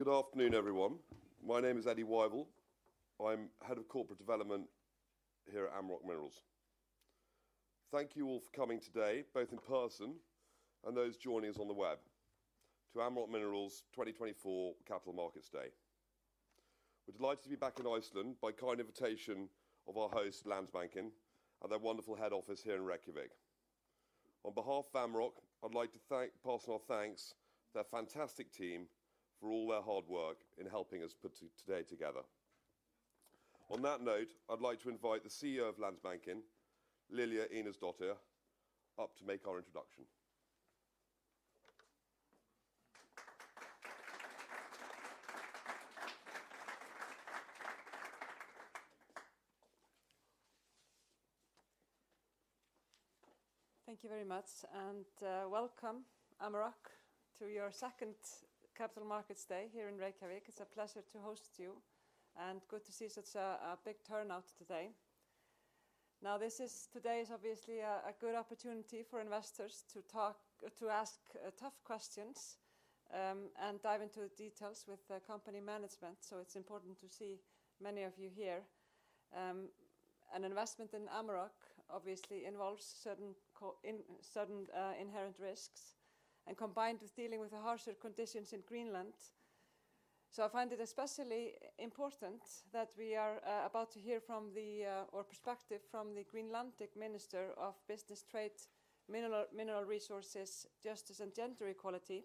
Good afternoon, everyone. My name is Eddie Wyvill. I'm Head of Corporate Development here at Amaroq Minerals. Thank you all for coming today, both in person and those joining us on the web, to Amaroq Minerals' 2024 Capital Markets Day. We're delighted to be back in Iceland by kind invitation of our host, Landsbankinn, and their wonderful head office here in Reykjavík. On behalf of Amaroq, I'd like to personally thank their fantastic team for all their hard work in helping us put today together. On that note, I'd like to invite the CEO of Landsbankinn, Lilja Einarsdóttir, up to make our introduction. Thank you very much, and welcome, Amaroq, to your second Capital Markets Day here in Reykjavík. It's a pleasure to host you, and good to see such a big turnout today. Now, today is obviously a good opportunity for investors to ask tough questions and dive into the details with company management, so it's important to see many of you here. An investment in Amaroq obviously involves certain inherent risks, and combined with dealing with the harsher conditions in Greenland. I find it especially important that we are about to hear from the perspective from the Greenlandic Minister of Business, Trade, Mineral Resources, Justice, and Gender Equality,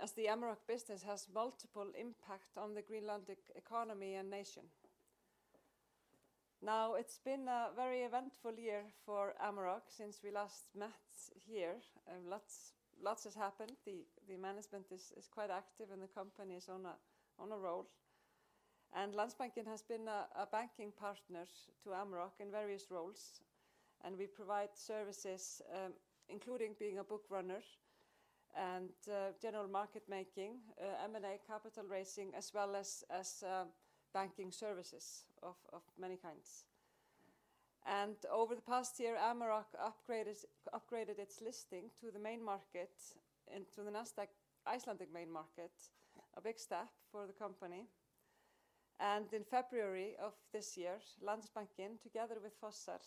as the Amaroq business has multiple impacts on the Greenlandic economy and nation. Now, it's been a very eventful year for Amaroq since we last met here. Lots has happened. The management is quite active, and the company is on a roll. Landsbankinn has been a banking partner to Amaroq in various roles, and we provide services including being a bookrunner, and general market making, M&A capital raising, as well as banking services of many kinds. Over the past year, Amaroq upgraded its listing to the main market, into the Icelandic main market, a big step for the company. In February of this year, Landsbankinn, together with Fossar,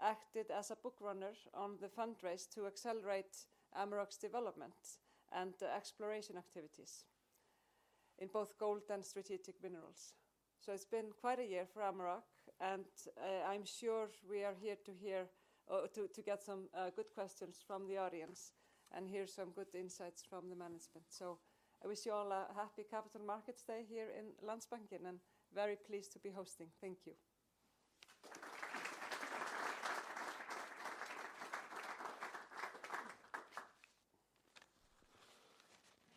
acted as a bookrunner on the fundraise to accelerate Amaroq's development and exploration activities in both gold and strategic minerals. It's been quite a year for Amaroq, and I'm sure we are here to hear, to get some good questions from the audience and hear some good insights from the management. I wish you all a happy Capital Markets Day here in Landsbankinn, and very pleased to be hosting. Thank you.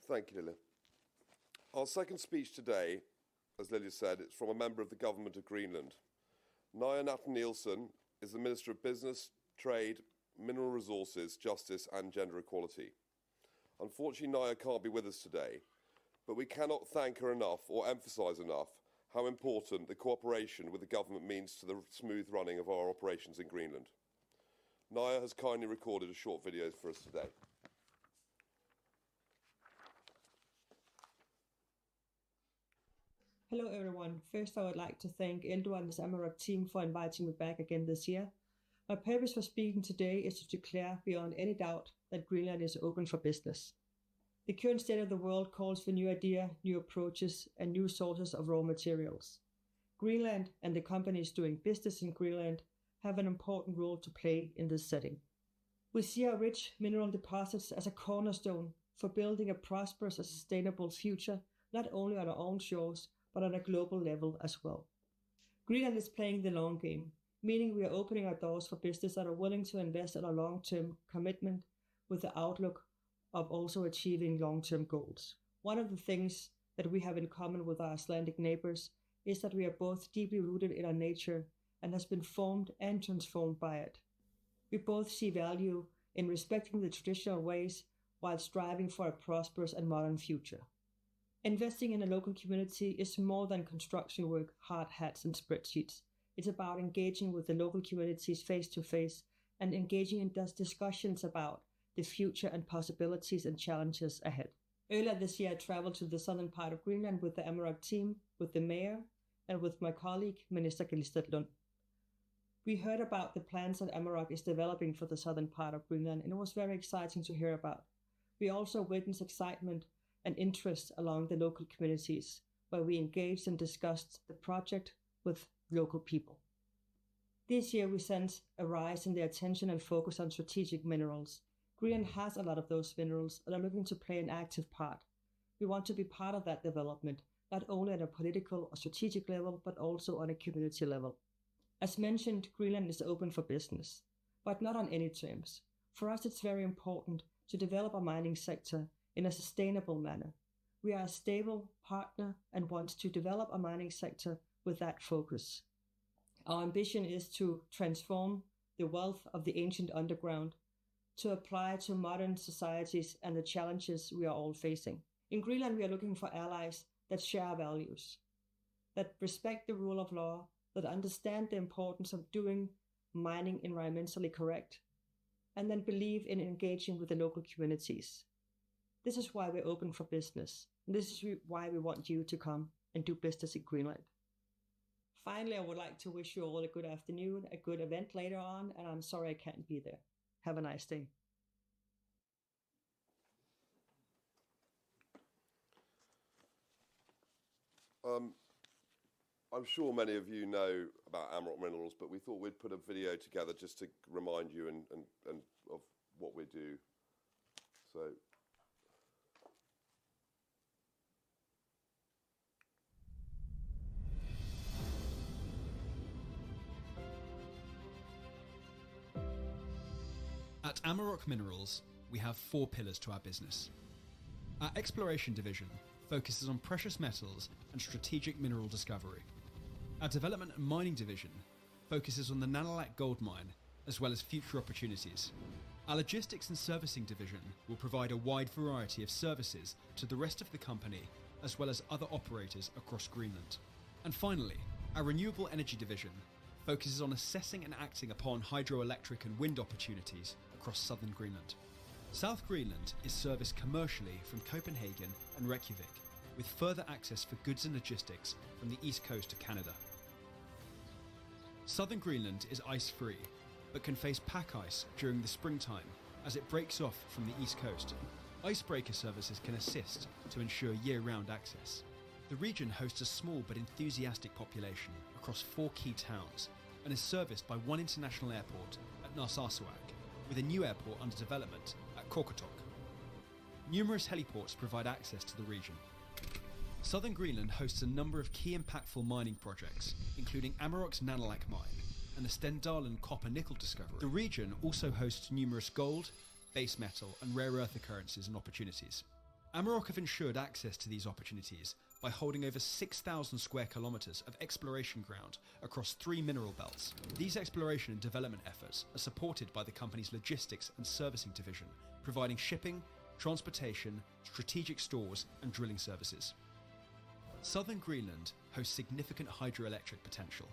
Thank you, Lilja. Our second speech today, as Lilja said, is from a member of the government of Greenland. Naaja H. Nathanielsen is the Minister of Business, Trade, Mineral Resources, Justice, and Gender Equality. Unfortunately, Naaja can't be with us today, but we cannot thank her enough or emphasize enough how important the cooperation with the government means to the smooth running of our operations in Greenland. Naaja has kindly recorded a short video for us today. Hello everyone. First, I would like to thank Eldur Ólafsson, Eldur Ólafsson's team for inviting me back again this year. My purpose for speaking today is to declare beyond any doubt that Greenland is open for business. The current state of the world calls for new ideas, new approaches, and new sources of raw materials. Greenland and the companies doing business in Greenland have an important role to play in this setting. We see our rich mineral deposits as a cornerstone for building a prosperous and sustainable future, not only on our own shores, but on a global level as well. Greenland is playing the long game, meaning we are opening our doors for businesses that are willing to invest in a long-term commitment with the outlook of also achieving long-term goals. One of the things that we have in common with our Icelandic neighbors is that we are both deeply rooted in our nature and have been formed and transformed by it. We both see value in respecting the traditional ways while striving for a prosperous and modern future. Investing in a local community is more than construction work, hard hats, and spreadsheets. It's about engaging with the local communities face to face and engaging in discussions about the future and possibilities and challenges ahead. Earlier this year, I traveled to the southern part of Greenland with the Amaroq team, with the mayor, and with my colleague, Minister Kalistat Lund. We heard about the plans that Amaroq is developing for the southern part of Greenland, and it was very exciting to hear about. We also witnessed excitement and interest among the local communities where we engaged and discussed the project with local people. This year, we sensed a rise in the attention and focus on strategic minerals. Greenland has a lot of those minerals and are looking to play an active part. We want to be part of that development, not only at a political or strategic level, but also on a community level. As mentioned, Greenland is open for business, but not on any terms. For us, it's very important to develop our mining sector in a sustainable manner. We are a stable partner and want to develop our mining sector with that focus. Our ambition is to transform the wealth of the ancient underground to apply to modern societies and the challenges we are all facing. In Greenland, we are looking for allies that share values, that respect the rule of law, that understand the importance of doing mining environmentally correct, and then believe in engaging with the local communities. This is why we're open for business, and this is why we want you to come and do business in Greenland. Finally, I would like to wish you all a good afternoon, a good event later on, and I'm sorry I can't be there. Have a nice day. I'm sure many of you know about Amaroq Minerals, but we thought we'd put a video together just to remind you of what we do. So. At Amaroq Minerals, we have four pillars to our business. Our Exploration Division focuses on precious metals and strategic mineral discovery. Our Development and Mining Division focuses on the Nalunaq Gold Mine, as well as future opportunities. Our Logistics and Servicing Division will provide a wide variety of services to the rest of the company, as well as other operators across Greenland. And finally, our Renewable Energy Division focuses on assessing and acting upon hydroelectric and wind opportunities across Southern Greenland. Southern Greenland is serviced commercially from Copenhagen and Reykjavík, with further access for goods and logistics from the East Coast to Canada. Southern Greenland is ice-free, but can face pack ice during the springtime as it breaks off from the East Coast. Icebreaker services can assist to ensure year-round access. The region hosts a small but enthusiastic population across four key towns and is serviced by one international airport at Narsarsuaq, with a new airport under development at Qaqortoq. Numerous heliports provide access to the region. Southern Greenland hosts a number of key impactful mining projects, including Amaroq's Nalunaq Mine and the Stendalen & Copper Nickel Discovery. The region also hosts numerous gold, base metal, and rare earth occurrences and opportunities. Amaroq have ensured access to these opportunities by holding over 6,000 square kilometers of exploration ground across three mineral belts. These exploration and development efforts are supported by the company's Logistics and Servicing Division, providing shipping, transportation, strategic stores, and drilling services. Southern Greenland hosts significant hydroelectric potential.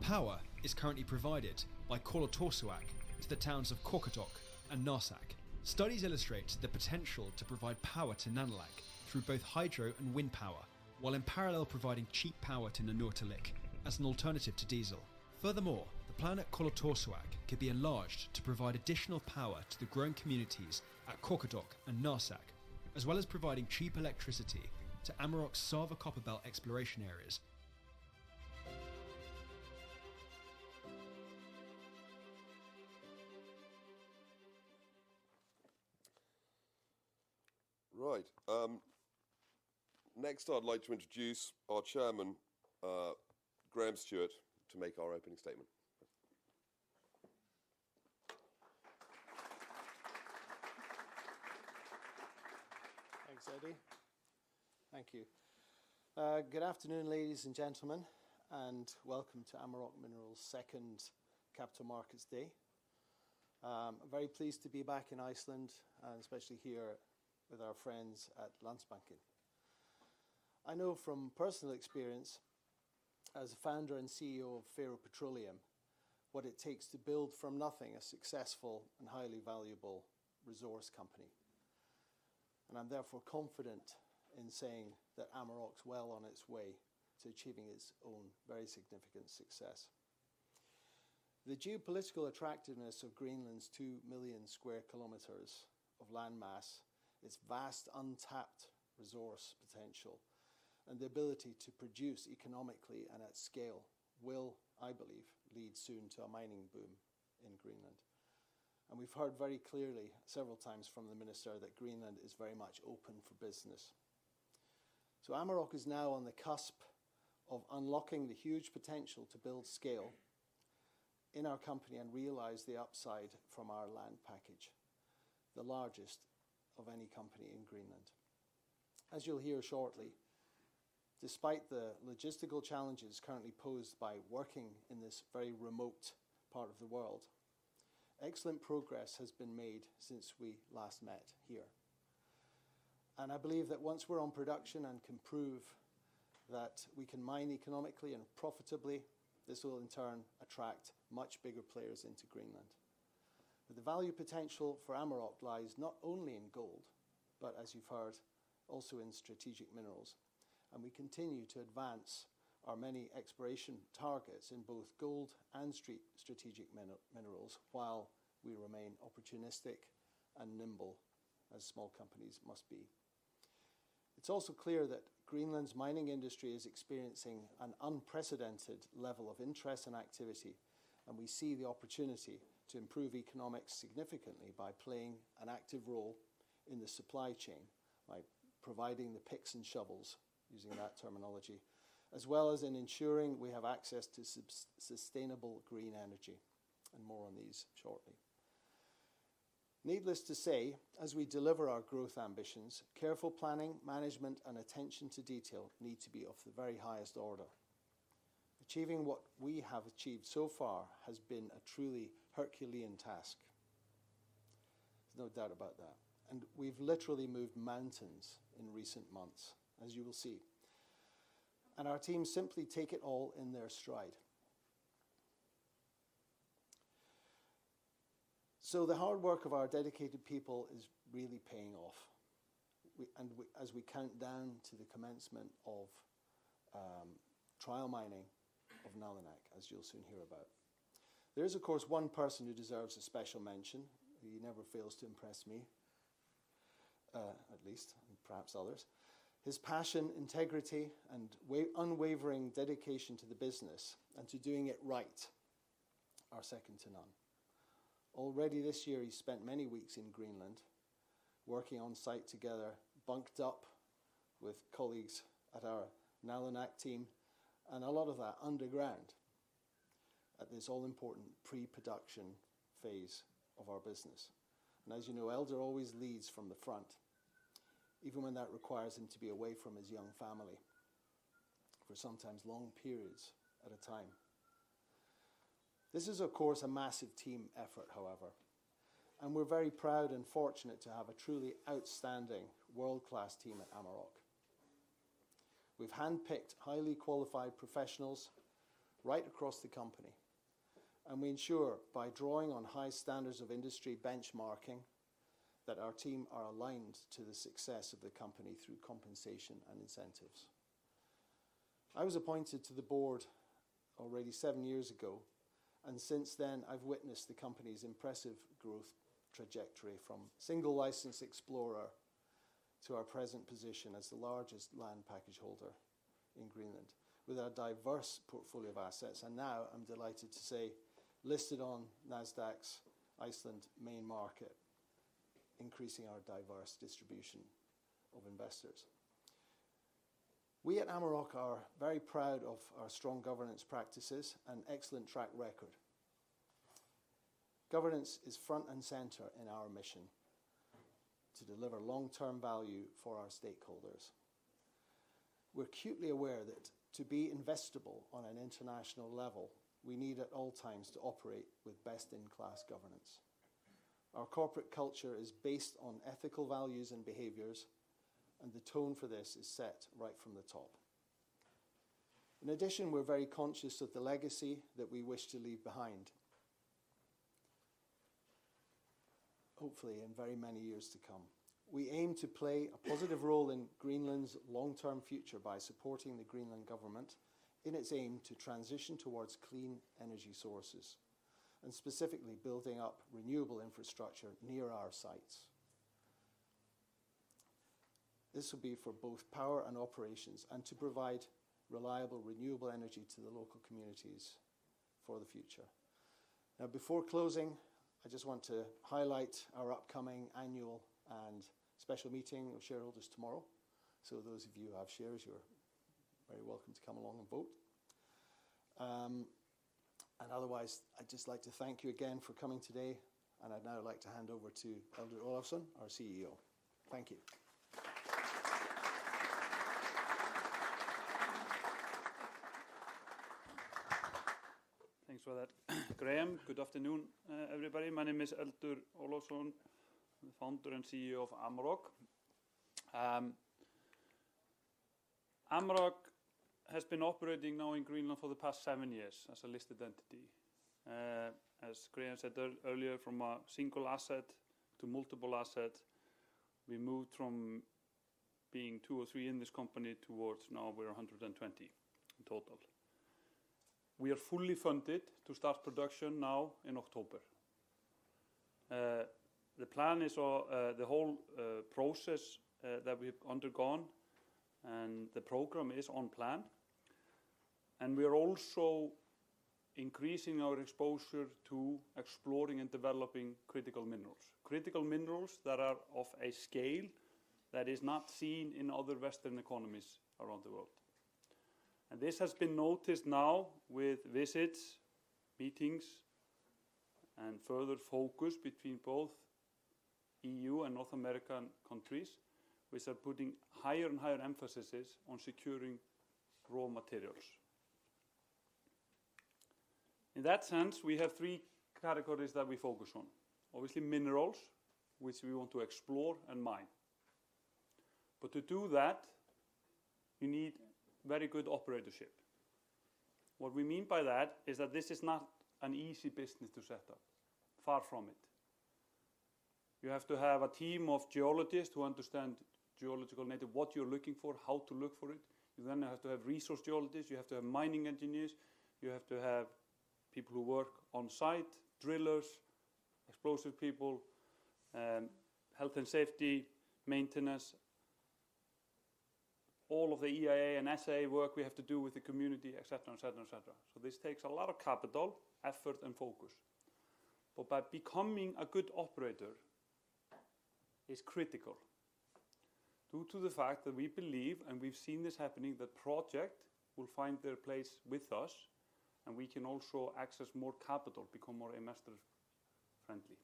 Power is currently provided by Qorlortorsuaq to the towns of Qaqortoq and Narsaq. Studies illustrate the potential to provide power to Nalunaq through both hydro and wind power, while in parallel providing cheap power to Nanortalik as an alternative to diesel. Furthermore, the plant at Qorlortorsuaq could be enlarged to provide additional power to the grown communities at Qaqortoq and Narsaq, as well as providing cheap electricity to Amaroq's Sava Copper Belt exploration areas. Right. Next, I'd like to introduce our Chairman, Graham Stewart, to make our opening statement. Thanks, Eddie. Thank you. Good afternoon, ladies and gentlemen, and welcome to Amaroq Minerals' second Capital Markets Day. I'm very pleased to be back in Iceland, and especially here with our friends at Landsbankinn. I know from personal experience as a founder and CEO of Faroe Petroleum what it takes to build from nothing a successful and highly valuable resource company. I'm therefore confident in saying that Amaroq's well on its way to achieving its own very significant success. The geopolitical attractiveness of Greenland's 2 million square kilometers of landmass, its vast untapped resource potential, and the ability to produce economically and at scale will, I believe, lead soon to a mining boom in Greenland. We've heard very clearly several times from the Minister that Greenland is very much open for business. So Amaroq is now on the cusp of unlocking the huge potential to build scale in our company and realize the upside from our land package, the largest of any company in Greenland. As you'll hear shortly, despite the logistical challenges currently posed by working in this very remote part of the world, excellent progress has been made since we last met here. I believe that once we're on production and can prove that we can mine economically and profitably, this will in turn attract much bigger players into Greenland. The value potential for Amaroq lies not only in gold, but as you've heard, also in strategic minerals. We continue to advance our many exploration targets in both gold and strategic minerals while we remain opportunistic and nimble, as small companies must be. It's also clear that Greenland's mining industry is experiencing an unprecedented level of interest and activity, and we see the opportunity to improve economics significantly by playing an active role in the supply chain, by providing the picks and shovels, using that terminology, as well as in ensuring we have access to sustainable green energy, and more on these shortly. Needless to say, as we deliver our growth ambitions, careful planning, management, and attention to detail need to be of the very highest order. Achieving what we have achieved so far has been a truly Herculean task. There's no doubt about that. We've literally moved mountains in recent months, as you will see. Our team simply takes it all in their stride. The hard work of our dedicated people is really paying off. As we count down to the commencement of trial mining of Nalunaq, as you'll soon hear about, there is, of course, one person who deserves a special mention. He never fails to impress me, at least, and perhaps others. His passion, integrity, and unwavering dedication to the business and to doing it right are second to none. Already this year, he spent many weeks in Greenland working on site together, bunked up with colleagues at our Nalunaq team, and a lot of that underground at this all-important pre-production phase of our business. And as you know, Eldur always leads from the front, even when that requires him to be away from his young family for sometimes long periods at a time. This is, of course, a massive team effort, however. And we're very proud and fortunate to have a truly outstanding world-class team at Amaroq. We've handpicked highly qualified professionals right across the company, and we ensure, by drawing on high standards of industry benchmarking, that our team are aligned to the success of the company through compensation and incentives. I was appointed to the board already seven years ago, and since then, I've witnessed the company's impressive growth trajectory from single license explorer to our present position as the largest land package holder in Greenland with our diverse portfolio of assets. And now I'm delighted to say, listed on Nasdaq's Iceland main market, increasing our diverse distribution of investors. We at Amaroq are very proud of our strong governance practices and excellent track record. Governance is front and center in our mission to deliver long-term value for our stakeholders. We're acutely aware that to be investable on an international level, we need at all times to operate with best-in-class governance. Our corporate culture is based on ethical values and behaviors, and the tone for this is set right from the top. In addition, we're very conscious of the legacy that we wish to leave behind, hopefully in very many years to come. We aim to play a positive role in Greenland's long-term future by supporting the Greenland government in its aim to transition towards clean energy sources, and specifically building up renewable infrastructure near our sites. This will be for both power and operations, and to provide reliable renewable energy to the local communities for the future. Now, before closing, I just want to highlight our upcoming annual and special meeting of shareholders tomorrow. So those of you who have shares, you're very welcome to come along and vote. Otherwise, I'd just like to thank you again for coming today. I'd now like to hand over to Eldur Ólafsson, our CEO. Thank you. Thanks for that. Graham, good afternoon, everybody. My name is Eldur Ólafsson, the founder and CEO of Amaroq. Amaroq has been operating now in Greenland for the past seven years as a listed entity. As Graham said earlier, from a single asset to multiple assets, we moved from being two or three in this company towards now we're 120 in total. We are fully funded to start production now in October. The plan is the whole process that we've undergone, and the program is on plan. And we are also increasing our exposure to exploring and developing critical minerals, critical minerals that are of a scale that is not seen in other Western economies around the world. And this has been noticed now with visits, meetings, and further focus between both EU and North American countries, which are putting higher and higher emphases on securing raw materials. In that sense, we have three categories that we focus on. Obviously, minerals, which we want to explore and mine. But to do that, you need very good operatorship. What we mean by that is that this is not an easy business to set up, far from it. You have to have a team of geologists who understand geological nature, what you're looking for, how to look for it. You then have to have resource geologists. You have to have mining engineers. You have to have people who work on site, drillers, explosive people, health and safety, maintenance, all of the EIA and SIA work we have to do with the community, et cetera, et cetera, et cetera. So this takes a lot of capital, effort, and focus. But by becoming a good operator, it's critical due to the fact that we believe, and we've seen this happening, that projects will find their place with us, and we can also access more capital, become more investor-friendly.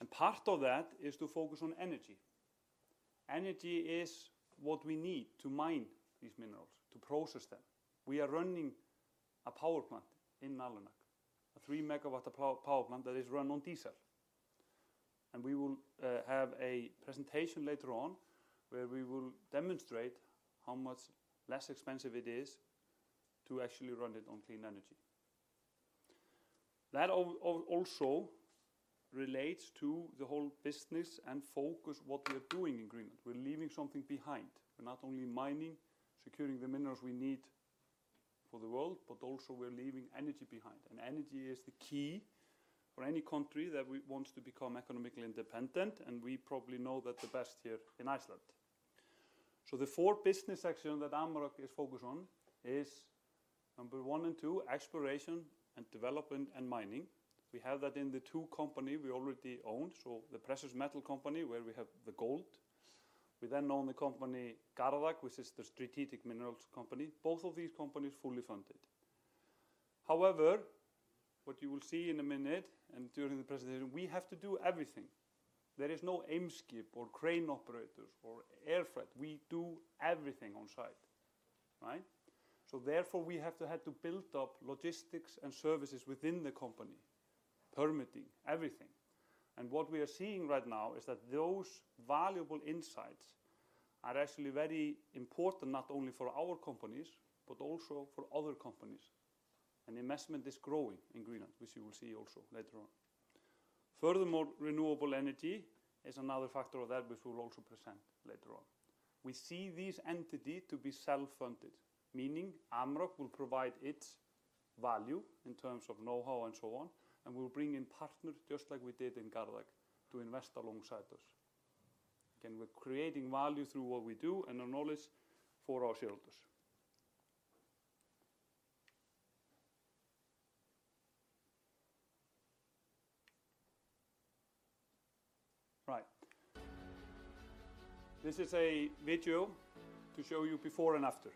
And part of that is to focus on energy. Energy is what we need to mine these minerals, to process them. We are running a power plant in Nalunaq, a 3-megawatt power plant that is run on diesel. And we will have a presentation later on where we will demonstrate how much less expensive it is to actually run it on clean energy. That also relates to the whole business and focus of what we are doing in Greenland. We're leaving something behind. We're not only mining, securing the minerals we need for the world, but also we're leaving energy behind. Energy is the key for any country that wants to become economically independent, and we probably know that the best here in Iceland. So the four business actions that Amaroq is focused on is number one and two, exploration and development and mining. We have that in the two companies we already own. So the Precious Metal Company, where we have the gold. We then own the company Gardaq, which is the strategic minerals company. Both of these companies are fully funded. However, what you will see in a minute and during the presentation, we have to do everything. There is no Eimskip or crane operators or air freight. We do everything on site, right? So therefore, we have to have to build up logistics and services within the company, permitting, everything. What we are seeing right now is that those valuable insights are actually very important, not only for our companies, but also for other companies. Investment is growing in Greenland, which you will see also later on. Furthermore, renewable energy is another factor of that, which we will also present later on. We see these entities to be self-funded, meaning Amaroq will provide its value in terms of know-how and so on, and we'll bring in partners just like we did in Canaccord to invest alongside us. Again, we're creating value through what we do and our knowledge for our shareholders. Right. This is a video to show you before and after.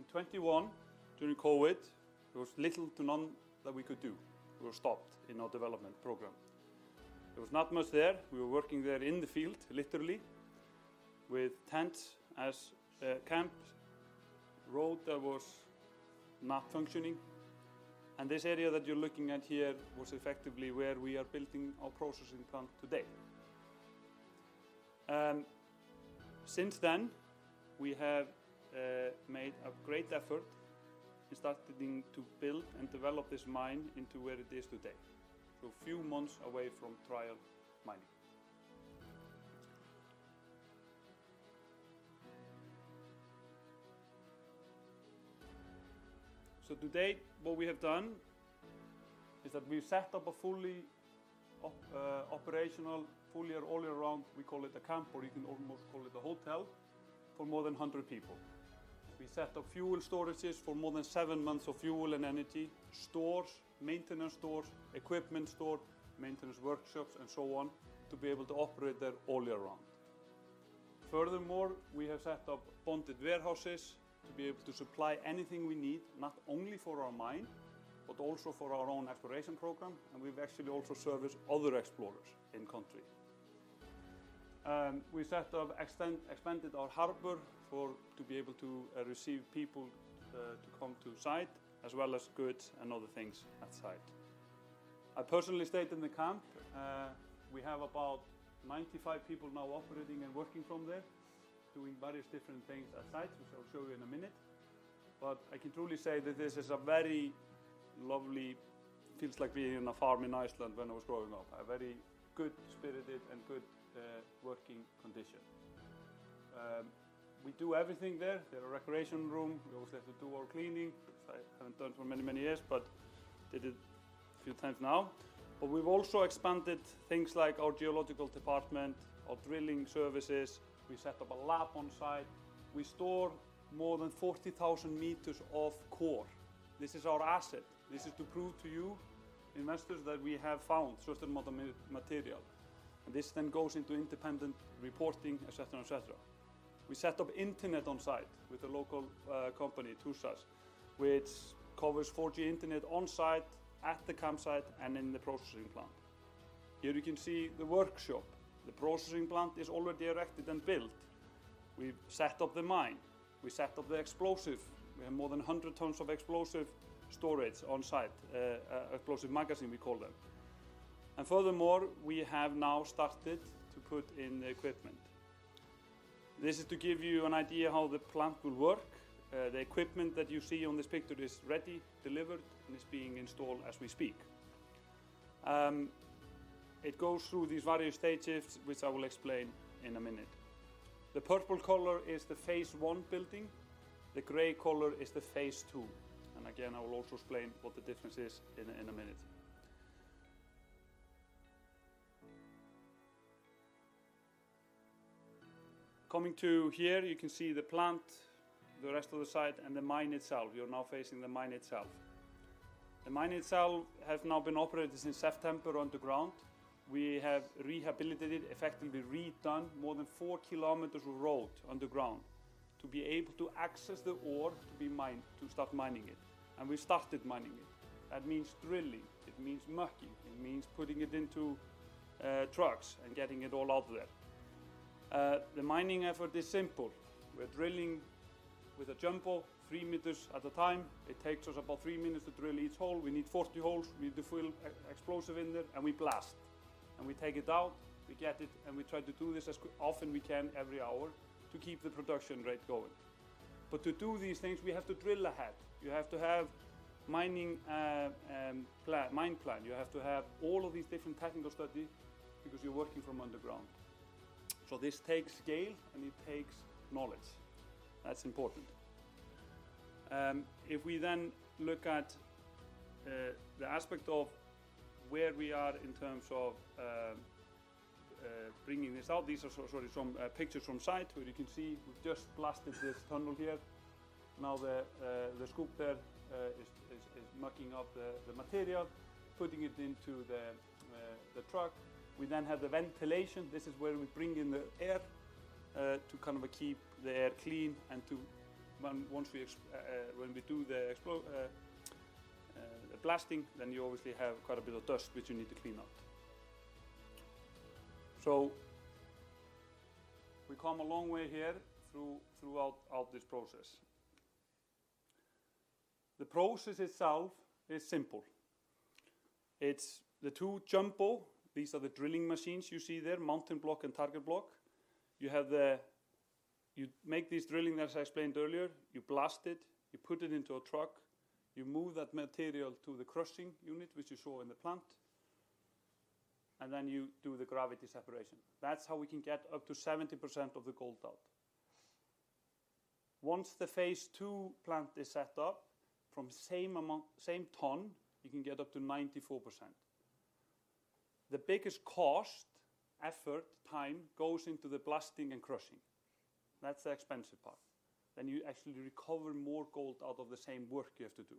In 2021, during COVID, there was little to none that we could do. We were stopped in our development program. There was not much there. We were working there in the field, literally, with tents as a camp road that was not functioning. This area that you're looking at here was effectively where we are building our processing plant today. Since then, we have made a great effort in starting to build and develop this mine into where it is today, so a few months away from trial mining. Today, what we have done is that we've set up a fully operational, fully all-around, we call it a camp, or you can almost call it a hotel, for more than 100 people. We set up fuel storages for more than 7 months of fuel and energy, stores, maintenance stores, equipment stores, maintenance workshops, and so on, to be able to operate there all year round. Furthermore, we have set up bonded warehouses to be able to supply anything we need, not only for our mine, but also for our own exploration program. We've actually also serviced other explorers in the country. We set up, expanded our harbor to be able to receive people to come to site, as well as goods and other things at site. I personally stayed in the camp. We have about 95 people now operating and working from there, doing various different things at sites, which I'll show you in a minute. I can truly say that this is a very lovely. Feels like being in a farm in Iceland when I was growing up, a very good-spirited and good working condition. We do everything there. There are recreation rooms. We always have to do our cleaning, which I haven't done for many, many years, but did it a few times now. But we've also expanded things like our geological department, our drilling services. We set up a lab on site. We store more than 40,000 meters of core. This is our asset. This is to prove to you, investors, that we have found certain material. And this then goes into independent reporting, et cetera, et cetera. We set up internet on site with the local company, Tusass, which covers 4G internet on site, at the campsite, and in the processing plant. Here you can see the workshop. The processing plant is already erected and built. We've set up the mine. We set up the explosive. We have more than 100 tons of explosive storage on site, explosive magazine, we call them. Furthermore, we have now started to put in the equipment. This is to give you an idea of how the plant will work. The equipment that you see on this picture is ready, delivered, and is being installed as we speak. It goes through these various stages which I will explain in a minute. The purple color is the phase one building. The gray color is the phase two. And again, I will also explain what the difference is in a minute. Coming to here, you can see the plant, the rest of the site, and the mine itself. You're now facing the mine itself. The mine itself has now been operated since September underground. We have rehabilitated, effectively redone more than four kilometers of road underground to be able to access the ore to start mining it. We started mining it. That means drilling. It means mucking. It means putting it into trucks and getting it all out there. The mining effort is simple. We're drilling with a jumbo, 3 meters at a time. It takes us about 3 minutes to drill each hole. We need 40 holes. We need to fill explosive in there, and we blast. And we take it out. We get it, and we try to do this as often we can every hour to keep the production rate going. But to do these things, we have to drill ahead. You have to have a mining mine plan. You have to have all of these different technical studies because you're working from underground. So this takes scale, and it takes knowledge. That's important. If we then look at the aspect of where we are in terms of bringing this out, these are some pictures from site where you can see we've just blasted this tunnel here. Now the scoop there is mucking up the material, putting it into the truck. We then have the ventilation. This is where we bring in the air to kind of keep the air clean. And once we do the blasting, then you obviously have quite a bit of dust, which you need to clean up. So we come a long way here throughout this process. The process itself is simple. It's the two jumbo. These are the drilling machines you see there, Mountain Block and Target Block. You make these drilling, as I explained earlier. You blast it. You put it into a truck. You move that material to the crushing unit, which you saw in the plant. And then you do the gravity separation. That's how we can get up to 70% of the gold out. Once the phase two plant is set up, from the same ton, you can get up to 94%. The biggest cost, effort, time goes into the blasting and crushing. That's the expensive part. Then you actually recover more gold out of the same work you have to do.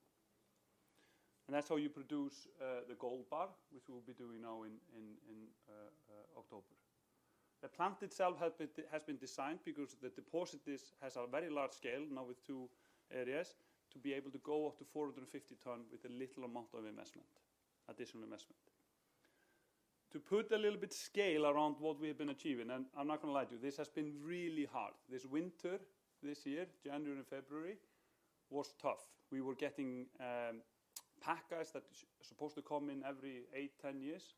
And that's how you produce the gold bar, which we'll be doing now in October. The plant itself has been designed because the deposit has a very large scale, now with two areas, to be able to go up to 450 tons with a little amount of investment, additional investment. To put a little bit of scale around what we have been achieving, and I'm not going to lie to you, this has been really hard. This winter this year, January and February, was tough. We were getting packers that are supposed to come in every 8-10 years.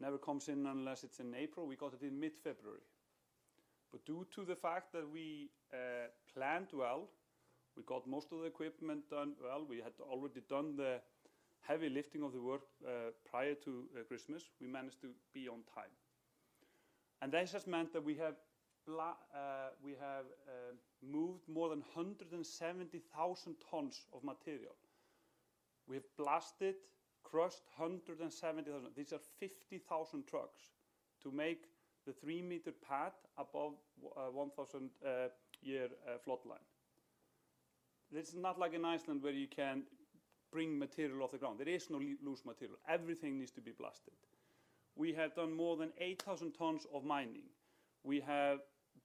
Never comes in unless it's in April. We got it in mid-February. But due to the fact that we planned well, we got most of the equipment done well. We had already done the heavy lifting of the work prior to Christmas. We managed to be on time. And that has meant that we have moved more than 170,000 tons of material. We have blasted, crushed 170,000. These are 50,000 trucks to make the 3-meter path above 1,000-year floodline. This is not like in Iceland where you can bring material off the ground. There is no loose material. Everything needs to be blasted. We have done more than 8,000 tons of mining. We have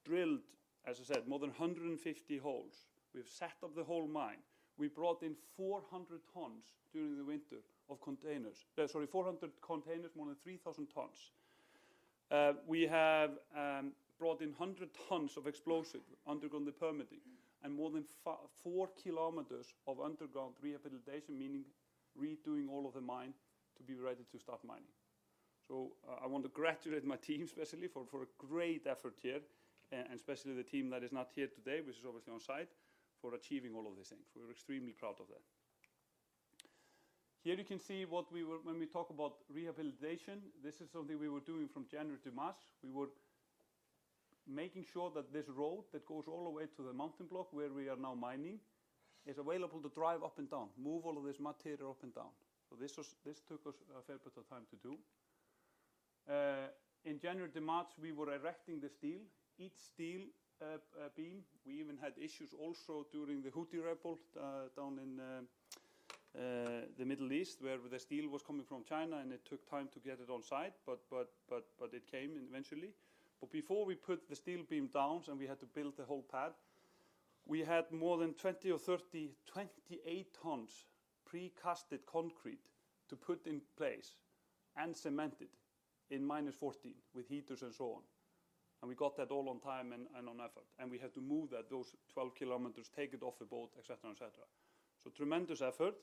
drilled, as I said, more than 150 holes. We've set up the whole mine. We brought in 400 tons during the winter of containers. Sorry, 400 containers, more than 3,000 tons. We have brought in 100 tons of explosive underground, the permitting, and more than 4 kilometers of underground rehabilitation, meaning redoing all of the mine to be ready to start mining. So I want to congratulate my team specially for a great effort here, and especially the team that is not here today, which is obviously on site, for achieving all of these things. We're extremely proud of that. Here you can see what we were when we talk about rehabilitation. This is something we were doing from January to March. We were making sure that this road that goes all the way to the Mountain Block where we are now mining is available to drive up and down, move all of this material up and down. So this took us a fair bit of time to do. In January to March, we were erecting the steel, each steel beam. We even had issues also during the Houthi revolt down in the Middle East, where the steel was coming from China, and it took time to get it on site, but it came eventually. But before we put the steel beam down and we had to build the whole path, we had more than 20 or 30, 28 tons pre-cast concrete to put in place and cemented in minus 14 degrees Celsius with heaters and so on. And we got that all on time and on effort. We had to move those 12 kilometers, take it off the boat, et cetera, et cetera. Tremendous effort.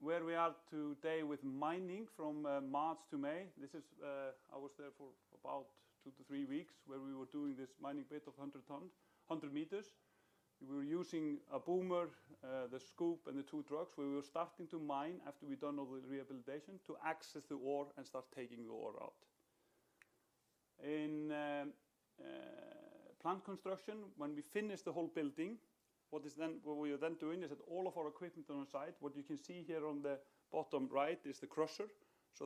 Where we are today with mining from March to May, this is I was there for about 2 to 3 weeks where we were doing this mining bit of 100 meters. We were using a Boomer, the Scoop, and the 2 trucks where we were starting to mine after we'd done all the rehabilitation to access the ore and start taking the ore out. In plant construction, when we finished the whole building, what we were then doing is that all of our equipment on site, what you can see here on the bottom right is the crusher.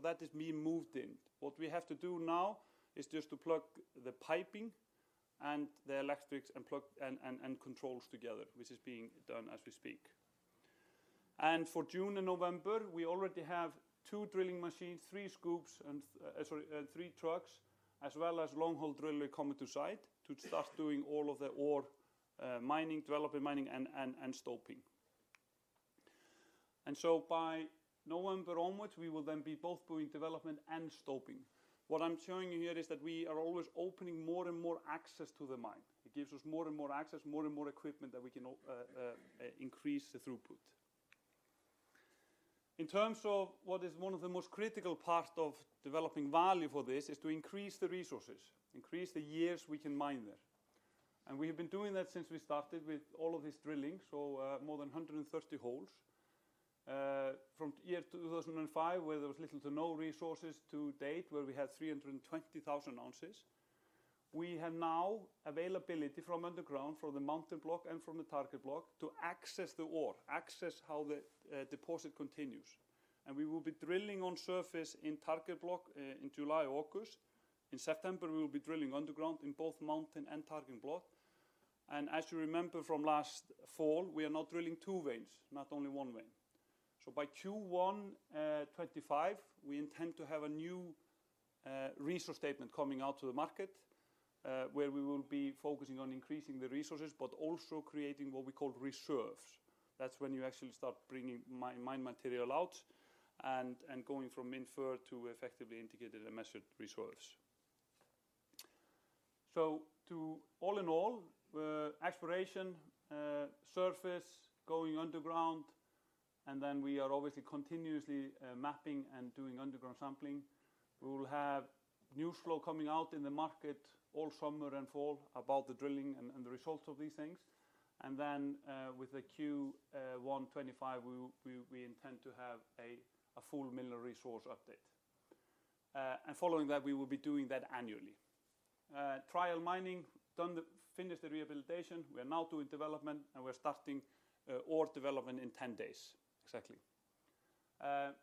That is being moved in. What we have to do now is just to plug the piping and the electrics and controls together, which is being done as we speak. For June and November, we already have 2 drilling machines, 3 scoops, and sorry, 3 trucks, as well as long-haul drilling coming to site to start doing all of the ore mining, developing mining, and stoping. So by November onwards, we will then be both doing development and stopping. What I'm showing you here is that we are always opening more and more access to the mine. It gives us more and more access, more and more equipment that we can increase the throughput. In terms of what is one of the most critical parts of developing value, for this is to increase the resources, increase the years we can mine there. We have been doing that since we started with all of this drilling, so more than 130 holes from year 2005, where there was little to no resources to date, where we had 320,000 ounces. We have now availability from underground, from the Mountain Block and from the Target Block to access the ore, access how the deposit continues. We will be drilling on surface in Target Block in July, August. In September, we will be drilling underground in both Mountain and Target Block. As you remember from last fall, we are now drilling two veins, not only one vein. By Q1 2025, we intend to have a new resource statement coming out to the market where we will be focusing on increasing the resources, but also creating what we call reserves. That's when you actually start bringing mine material out and going from inferred to effectively indicated and measured reserves. All in all, exploration, surface, going underground, and then we are obviously continuously mapping and doing underground sampling. We will have new flow coming out in the market all summer and fall about the drilling and the results of these things. Then with the Q1 2025, we intend to have a full mineral resource update. Following that, we will be doing that annually. Trial mining finished the rehabilitation. We are now doing development, and we're starting ore development in 10 days, exactly.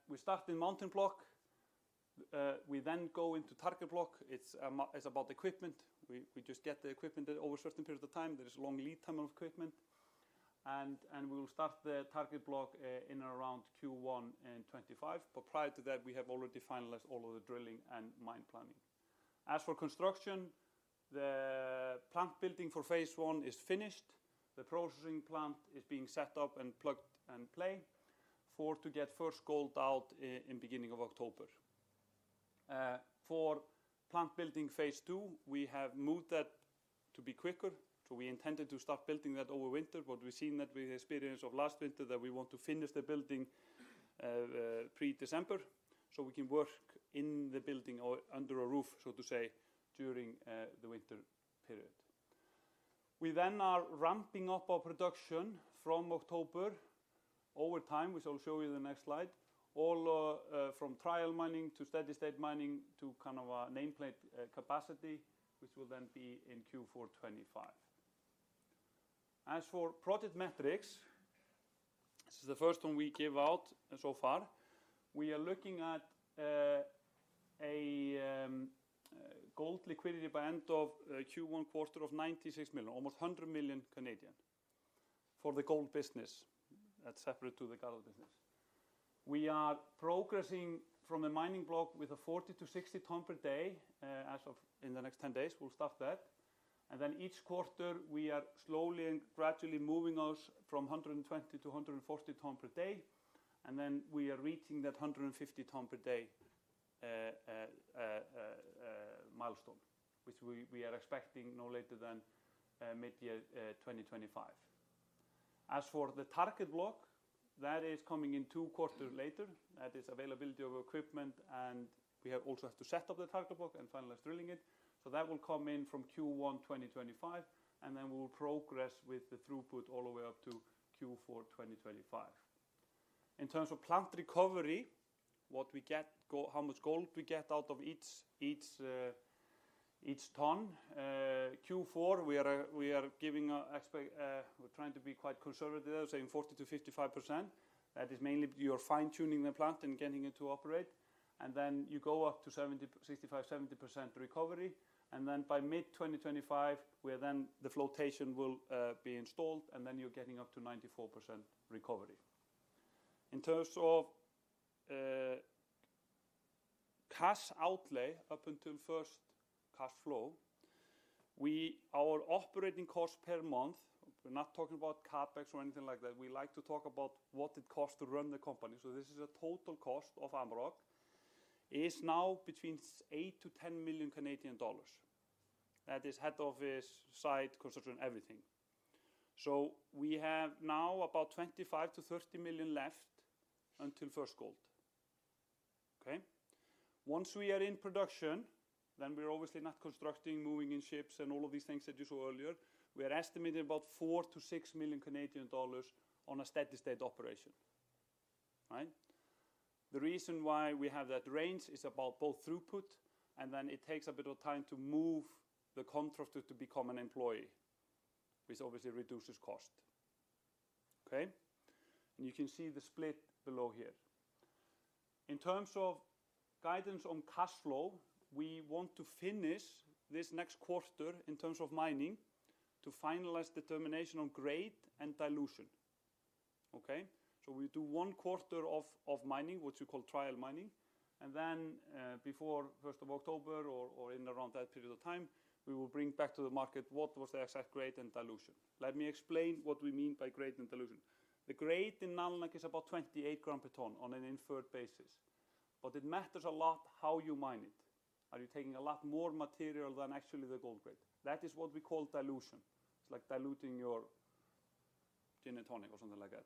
We start in Mountain Block. We then go into Target Block. It's about equipment. We just get the equipment over a certain period of time. There is a long lead time of equipment. We will start the Target Block in and around Q1 2025. But prior to that, we have already finalized all of the drilling and mine planning. As for construction, the plant building for phase one is finished. The processing plant is being set up and plug-and-play for to get first gold out in the beginning of October. For plant building phase two, we have moved that to be quicker. So we intended to start building that over winter, but we've seen that with the experience of last winter that we want to finish the building pre-December so we can work in the building or under a roof, so to say, during the winter period. We then are ramping up our production from October over time. We shall show you the next slide. All from trial mining to steady-state mining to kind of a nameplate capacity, which will then be in Q4 2025. As for project metrics, this is the first one we give out so far. We are looking at a gold liquidity by end of Q1 quarter of 96 million, almost 100 million Canadian for the gold business. That's separate to the gallon business. We are progressing from a Mountain Block with a 40-60 ton per day as of in the next 10 days. We'll start that. And then each quarter, we are slowly and gradually moving us from 120-140 ton per day. And then we are reaching that 150 ton per day milestone, which we are expecting no later than mid-year 2025. As for the Target Block, that is coming in two quarters later. That is availability of equipment, and we also have to set up the Target Block and finalize drilling it. So that will come in from Q1 2025, and then we will progress with the throughput all the way up to Q4 2025. In terms of plant recovery, what we get, how much gold we get out of each ton, Q4, we're giving. We're trying to be quite conservative, saying 40%-55%. That is mainly you're fine-tuning the plant and getting it to operate. And then you go up to 65%-70% recovery. And then by mid-2025, the flotation will be installed, and then you're getting up to 94% recovery. In terms of cash outlay up until first cash flow, our operating cost per month, we're not talking about CapEx or anything like that. We like to talk about what it costs to run the company. So this is a total cost of Amaroq. It's now between 8 million-10 million Canadian dollars. That is head office, site, construction, everything. So we have now about 25 million-30 million left until first gold. Okay? Once we are in production, then we're obviously not constructing, moving in ships and all of these things that you saw earlier. We are estimating about 4 million-6 million Canadian dollars on a steady-state operation. Right? The reason why we have that range is about both throughput, and then it takes a bit of time to move the contractor to become an employee, which obviously reduces cost. Okay? And you can see the split below here. In terms of guidance on cash flow, we want to finish this next quarter in terms of mining to finalize determination on grade and dilution. Okay? So we do one quarter of mining, what you call trial mining. And then before 1st of October or in and around that period of time, we will bring back to the market what was the exact grade and dilution. Let me explain what we mean by grade and dilution. The grade in Amaroq is about 28 grams per ton on an inferred basis. But it matters a lot how you mine it. Are you taking a lot more material than actually the gold grade? That is what we call dilution. It's like diluting your gin and tonic or something like that.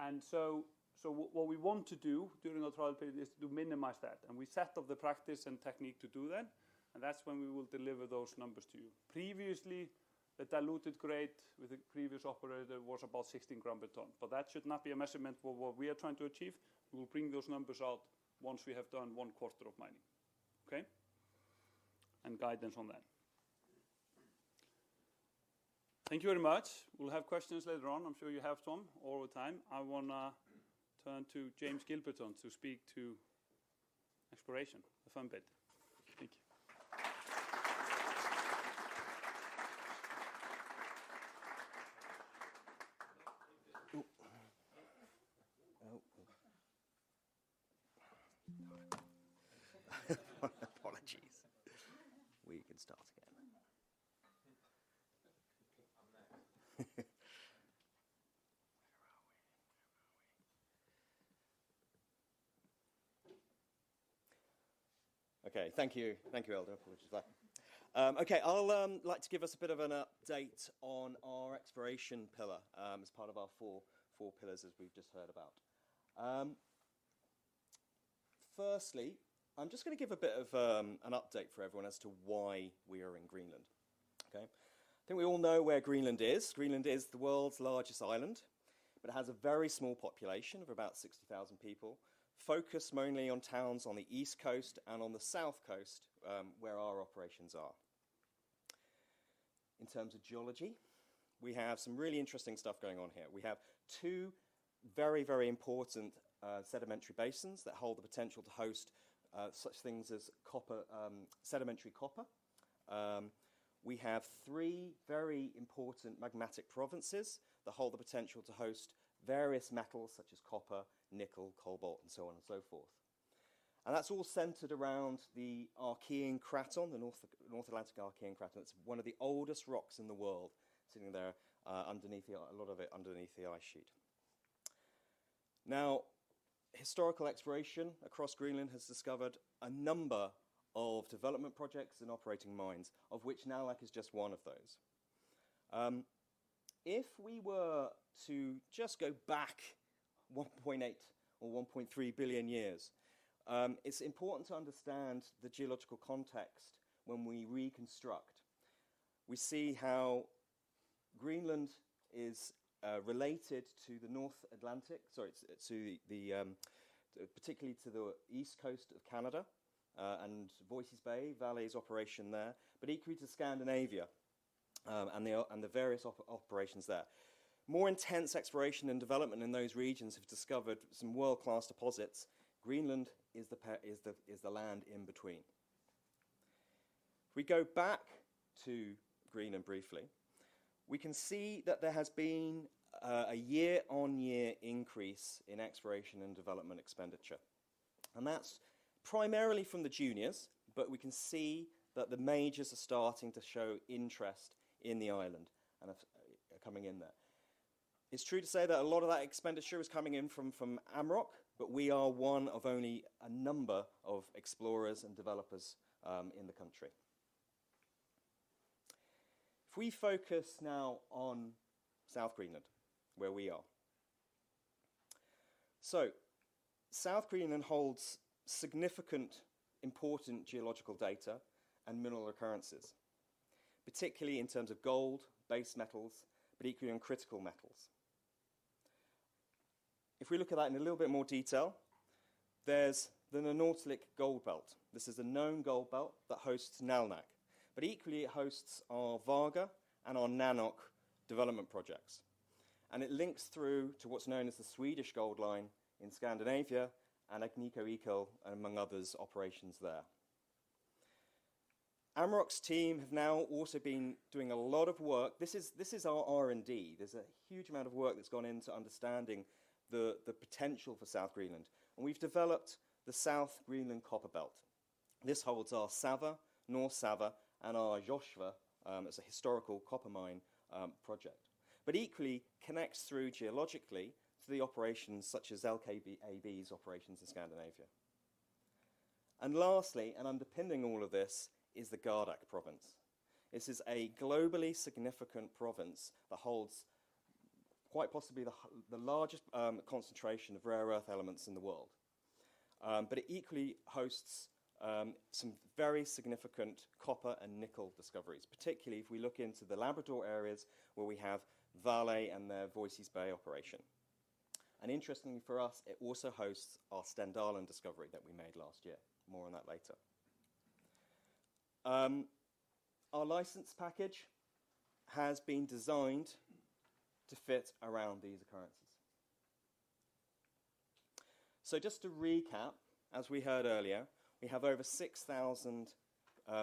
And so what we want to do during our trial period is to minimize that. And we set up the practice and technique to do that. And that's when we will deliver those numbers to you. Previously, the diluted grade with the previous operator was about 16 grams per ton. But that should not be a measurement for what we are trying to achieve. We will bring those numbers out once we have done one quarter of mining. Okay? And guidance on that. Thank you very much. We'll have questions later on. I'm sure you have some all the time. I want to turn to James Gilbertson to speak to exploration, the fun bit. Thank you. Apologies. We can start again. Where are we? Where are we? Okay. Thank you. Thank you, Eldur, for what you've done. Okay. I'd like to give us a bit of an update on our exploration pillar as part of our four pillars as we've just heard about. Firstly, I'm just going to give a bit of an update for everyone as to why we are in Greenland. Okay? I think we all know where Greenland is. Greenland is the world's largest island, but it has a very small population of about 60,000 people focused mainly on towns on the east coast and on the south coast where our operations are. In terms of geology, we have some really interesting stuff going on here. We have two very, very important sedimentary basins that hold the potential to host such things as copper, sedimentary copper. We have three very important magmatic provinces that hold the potential to host various metals such as copper, nickel, cobalt, and so on and so forth. And that's all centered around the Archean craton, the North Atlantic Archean craton. It's one of the oldest rocks in the world sitting there underneath a lot of it underneath the ice sheet. Now, historical exploration across Greenland has discovered a number of development projects and operating mines, of which Nalunaq is just one of those. If we were to just go back 1.8 or 1.3 billion years, it's important to understand the geological context when we reconstruct. We see how Greenland is related to the North Atlantic, sorry, particularly to the east coast of Canada and Voisey's Bay, Vale's operation there, but equally to Scandinavia and the various operations there. More intense exploration and development in those regions have discovered some world-class deposits. Greenland is the land in between. If we go back to Greenland briefly, we can see that there has been a year-on-year increase in exploration and development expenditure. That's primarily from the juniors, but we can see that the majors are starting to show interest in the island and are coming in there. It's true to say that a lot of that expenditure is coming in from Amaroq, but we are one of only a number of explorers and developers in the country. If we focus now on South Greenland, where we are. So South Greenland holds significant, important geological data and mineral occurrences, particularly in terms of gold, base metals, but equally on critical metals. If we look at that in a little bit more detail, there's the Nanortalik Gold Belt. This is a known gold belt that hosts Nalunaq, but equally, it hosts our Vagar and our Nanoq development projects. And it links through to what's known as the Swedish Gold Line in Scandinavia and Agnico Eagle, among others, operations there. Amaroq's team have now also been doing a lot of work. This is our R&D. There's a huge amount of work that's gone into understanding the potential for South Greenland. And we've developed the South Greenland Copper Belt. This holds our Sava, North Sava, and our Josva as a historical copper mine project, but equally connects through geologically to the operations such as LKAB's operations in Scandinavia. And lastly, and underpinning all of this is the Gardar Province. This is a globally significant province that holds quite possibly the largest concentration of rare earth elements in the world. But it equally hosts some very significant copper and nickel discoveries, particularly if we look into the Labrador areas where we have Vale and their Voisey's Bay operation. And interestingly for us, it also hosts our Stendalen discovery that we made last year. More on that later. Our license package has been designed to fit around these occurrences. So just to recap, as we heard earlier, we have over 6,000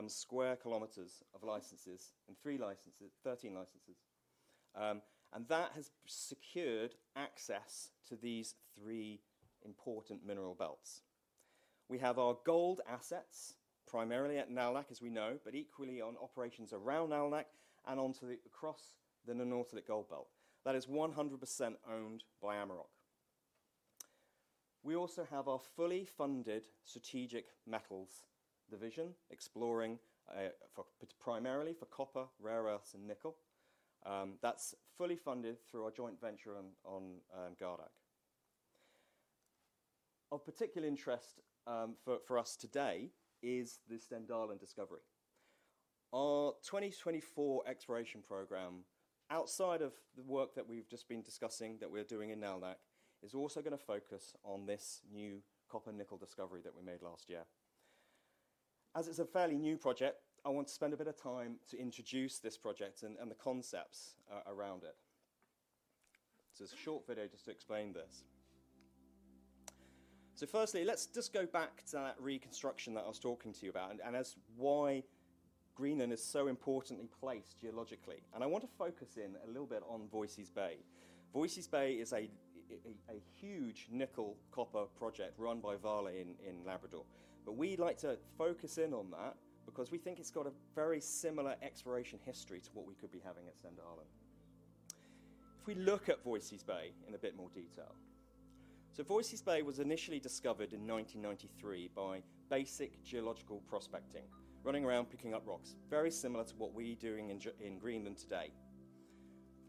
square kilometers of licenses and 13 licenses. And that has secured access to these three important mineral belts. We have our gold assets primarily at Nalunaq, as we know, but equally on operations around Nalunaq and across the Nanortalik Gold Belt. That is 100% owned by Amaroq. We also have our fully funded Strategic Metals division exploring primarily for copper, rare earths, and nickel. That's fully funded through our joint venture on Gardar. Of particular interest for us today is the Stendalen discovery. Our 2024 exploration program, outside of the work that we've just been discussing that we're doing in Nalunaq, is also going to focus on this new copper-nickel discovery that we made last year. As it's a fairly new project, I want to spend a bit of time to introduce this project and the concepts around it. So it's a short video just to explain this. So firstly, let's just go back to that reconstruction that I was talking to you about and as why Greenland is so importantly placed geologically. I want to focus in a little bit on Voisey's Bay. Voisey's Bay is a huge nickel-copper project run by Vale in Labrador. But we'd like to focus in on that because we think it's got a very similar exploration history to what we could be having at Stendalen. If we look at Voisey's Bay in a bit more detail. So Voisey's Bay was initially discovered in 1993 by basic geological prospecting, running around picking up rocks, very similar to what we're doing in Greenland today.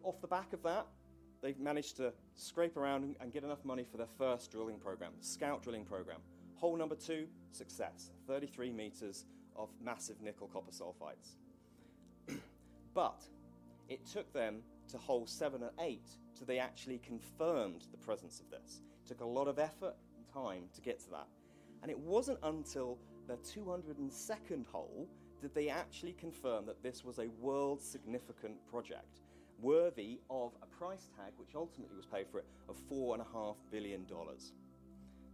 Off the back of that, they've managed to scrape around and get enough money for their first drilling program, scout drilling program. Hole number 2, success, 33 meters of massive nickel-copper sulfites. But it took them to hole 7 and 8 till they actually confirmed the presence of this. It took a lot of effort and time to get to that. It wasn't until their 202nd hole that they actually confirmed that this was a world-significant project worthy of a price tag, which ultimately was paid for it, of $4.5 billion.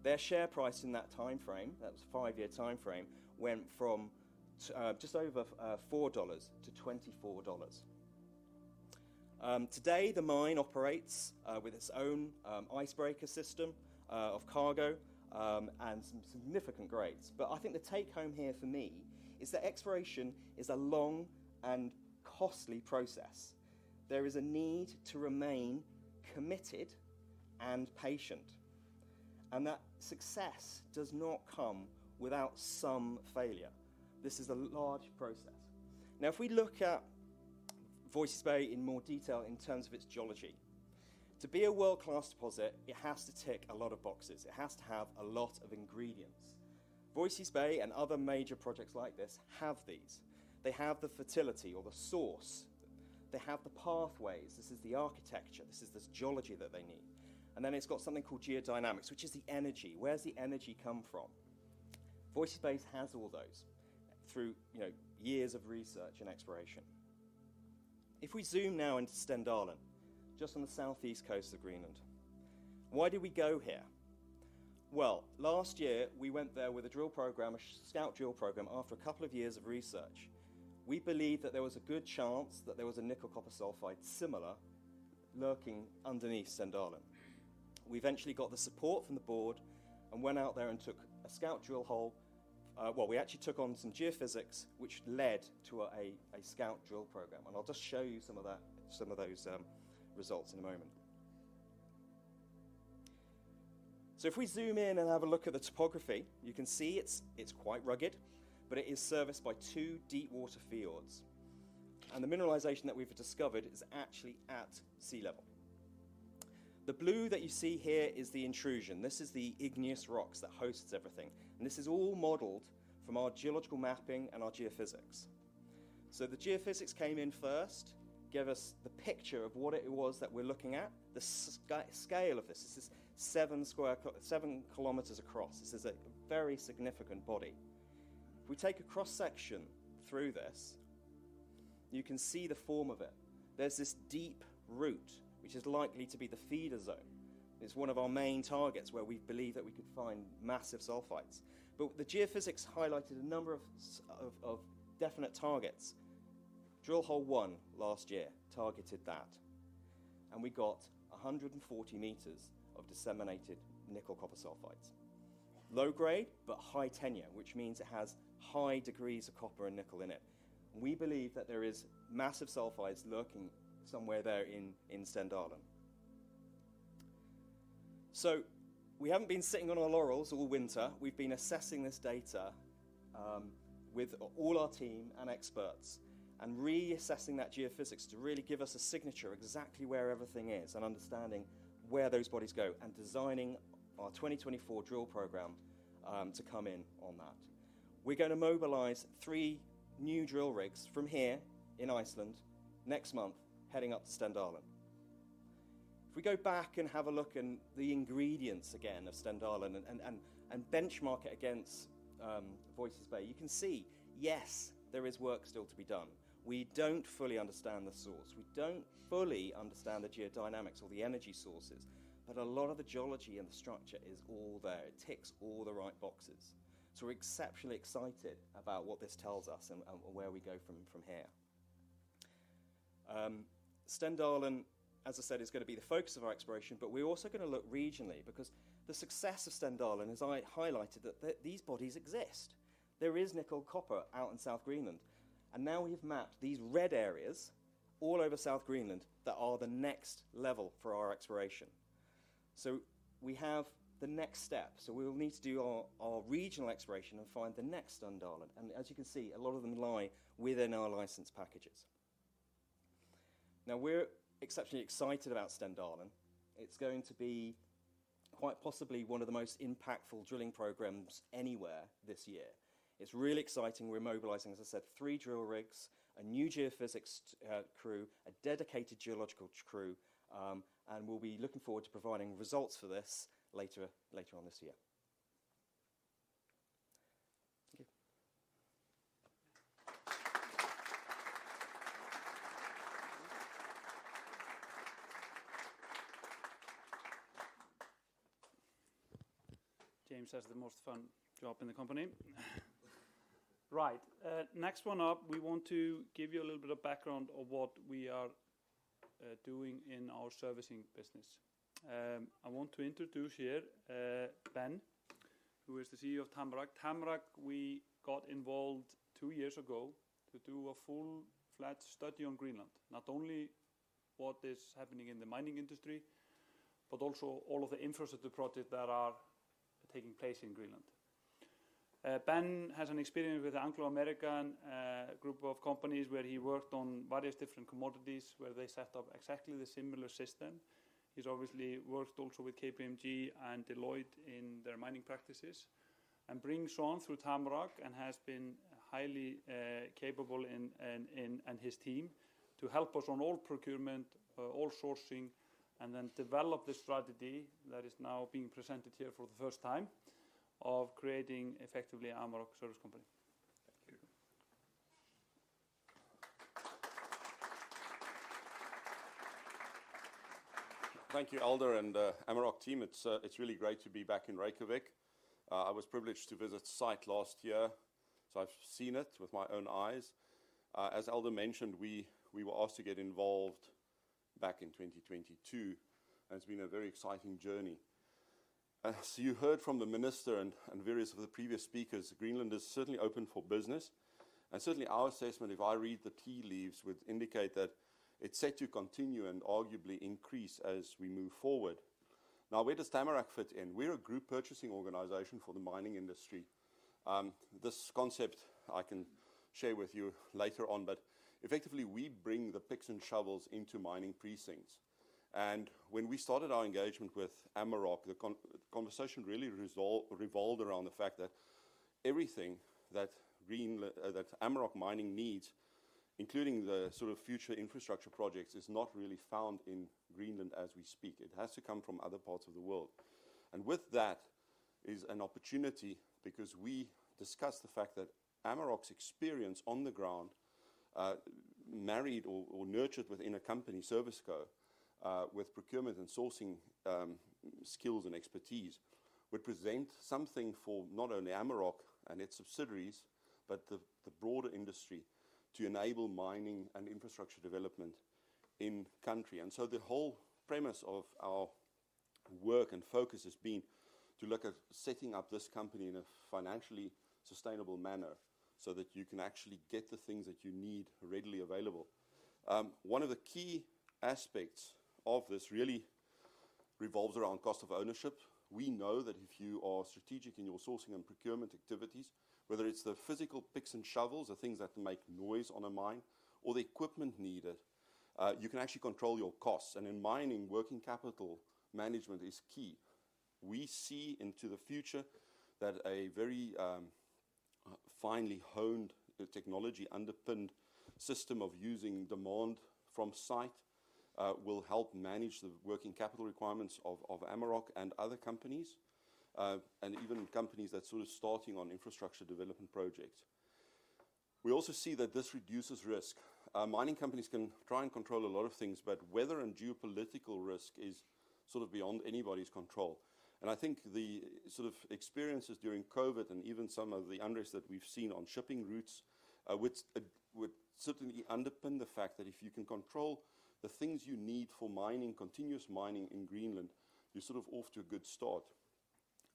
Their share price in that timeframe, that was a five-year timeframe, went from just over $4 to $24. Today, the mine operates with its own icebreaker system of cargo and some significant grades. But I think the take home here for me is that exploration is a long and costly process. There is a need to remain committed and patient. That success does not come without some failure. This is a large process. Now, if we look at Voisey's Bay in more detail in terms of its geology, to be a world-class deposit, it has to tick a lot of boxes. It has to have a lot of ingredients. Voisey's Bay and other major projects like this have these. They have the fertility or the source. They have the pathways. This is the architecture. This is the geology that they need. And then it's got something called geodynamics, which is the energy. Where's the energy come from? Voisey's Bay has all those through years of research and exploration. If we zoom now into Stendalen, just on the southeast coast of Greenland, why did we go here? Well, last year, we went there with a drill program, a scout drill program. After a couple of years of research, we believed that there was a good chance that there was a nickel-copper sulfide similar lurking underneath Stendalen. We eventually got the support from the board and went out there and took a scout drill hole. Well, we actually took on some geophysics, which led to a scout drill program. I'll just show you some of those results in a moment. So if we zoom in and have a look at the topography, you can see it's quite rugged, but it is serviced by two deep-water fjords. The mineralization that we've discovered is actually at sea level. The blue that you see here is the intrusion. This is the igneous rocks that hosts everything. This is all modeled from our geological mapping and our geophysics. So the geophysics came in first, gave us the picture of what it was that we're looking at, the scale of this. This is 7 kilometers across. This is a very significant body. If we take a cross-section through this, you can see the form of it. There's this deep root, which is likely to be the feeder zone. It's one of our main targets where we believe that we could find massive sulfides. But the geophysics highlighted a number of definite targets. Drill hole 1 last year targeted that. We got 140 meters of disseminated nickel-copper sulfides. Low grade, but high tenor, which means it has high degrees of copper and nickel in it. We believe that there are massive sulfides lurking somewhere there in Stendalen. So we haven't been sitting on our laurels all winter. We've been assessing this data with all our team and experts and reassessing that geophysics to really give us a signature exactly where everything is and understanding where those bodies go and designing our 2024 drill program to come in on that. We're going to mobilize 3 new drill rigs from here in Iceland next month, heading up to Stendalen. If we go back and have a look at the ingredients again of Stendalen and benchmark it against Voisey's Bay, you can see, yes, there is work still to be done. We don't fully understand the source. We don't fully understand the geodynamics or the energy sources, but a lot of the geology and the structure is all there. It ticks all the right boxes. So we're exceptionally excited about what this tells us and where we go from here. Stendalen, as I said, is going to be the focus of our exploration, but we're also going to look regionally because the success of Stendalen, as I highlighted, that these bodies exist. There is nickel-copper out in South Greenland. And now we have mapped these red areas all over South Greenland that are the next level for our exploration. So we have the next step. So we will need to do our regional exploration and find the next Stendalen. And as you can see, a lot of them lie within our license packages. Now, we're exceptionally excited about Stendalen. It's going to be quite possibly one of the most impactful drilling programs anywhere this year. It's really exciting. We're mobilizing, as I said, three drill rigs, a new geophysics crew, a dedicated geological crew, and we'll be looking forward to providing results for this later on this year. Thank you. James has the most fun job in the company. Right. Next one up, we want to give you a little bit of background of what we are doing in our servicing business. I want to introduce here Ben, who is the CEO of Tamarack. Tamarack, we got involved two years ago to do a full-fledged study on Greenland, not only what is happening in the mining industry, but also all of the infrastructure projects that are taking place in Greenland. Ben has an experience with Anglo American group of companies where he worked on various different commodities where they set up exactly the similar system. He's obviously worked also with KPMG and Deloitte in their mining practices and brings on through Tamarack and has been highly capable and his team to help us on all procurement, all sourcing, and then develop the strategy that is now being presented here for the first time of creating effectively an Amaroq service company. Thank you. Thank you, Eldur and Amaroq team. It's really great to be back in Reykjavík. I was privileged to visit the site last year, so I've seen it with my own eyes. As Eldur mentioned, we were asked to get involved back in 2022, and it's been a very exciting journey. As you heard from the minister and various of the previous speakers, Greenland is certainly open for business. Certainly, our assessment, if I read the tea leaves, would indicate that it's set to continue and arguably increase as we move forward. Now, where does Tamarack fit in? We're a group purchasing organization for the mining industry. This concept I can share with you later on, but effectively, we bring the picks and shovels into mining precincts. When we started our engagement with Amaroq, the conversation really revolved around the fact that everything that Amaroq mining needs, including the sort of future infrastructure projects, is not really found in Greenland as we speak. It has to come from other parts of the world. And with that is an opportunity because we discussed the fact that Amaroq's experience on the ground, married or nurtured within a company, ServiceCo, with procurement and sourcing skills and expertise, would present something for not only Amaroq and its subsidiaries, but the broader industry to enable mining and infrastructure development in country. And so the whole premise of our work and focus has been to look at setting up this company in a financially sustainable manner so that you can actually get the things that you need readily available. One of the key aspects of this really revolves around cost of ownership. We know that if you are strategic in your sourcing and procurement activities, whether it's the physical picks and shovels, the things that make noise on a mine, or the equipment needed, you can actually control your costs. And in mining, working capital management is key. We see into the future that a very finely honed technology underpinned system of using demand from site will help manage the working capital requirements of Amaroq and other companies, and even companies that are sort of starting on infrastructure development projects. We also see that this reduces risk. Mining companies can try and control a lot of things, but weather and geopolitical risk is sort of beyond anybody's control. I think the sort of experiences during COVID and even some of the unrest that we've seen on shipping routes would certainly underpin the fact that if you can control the things you need for mining, continuous mining in Greenland, you're sort of off to a good start.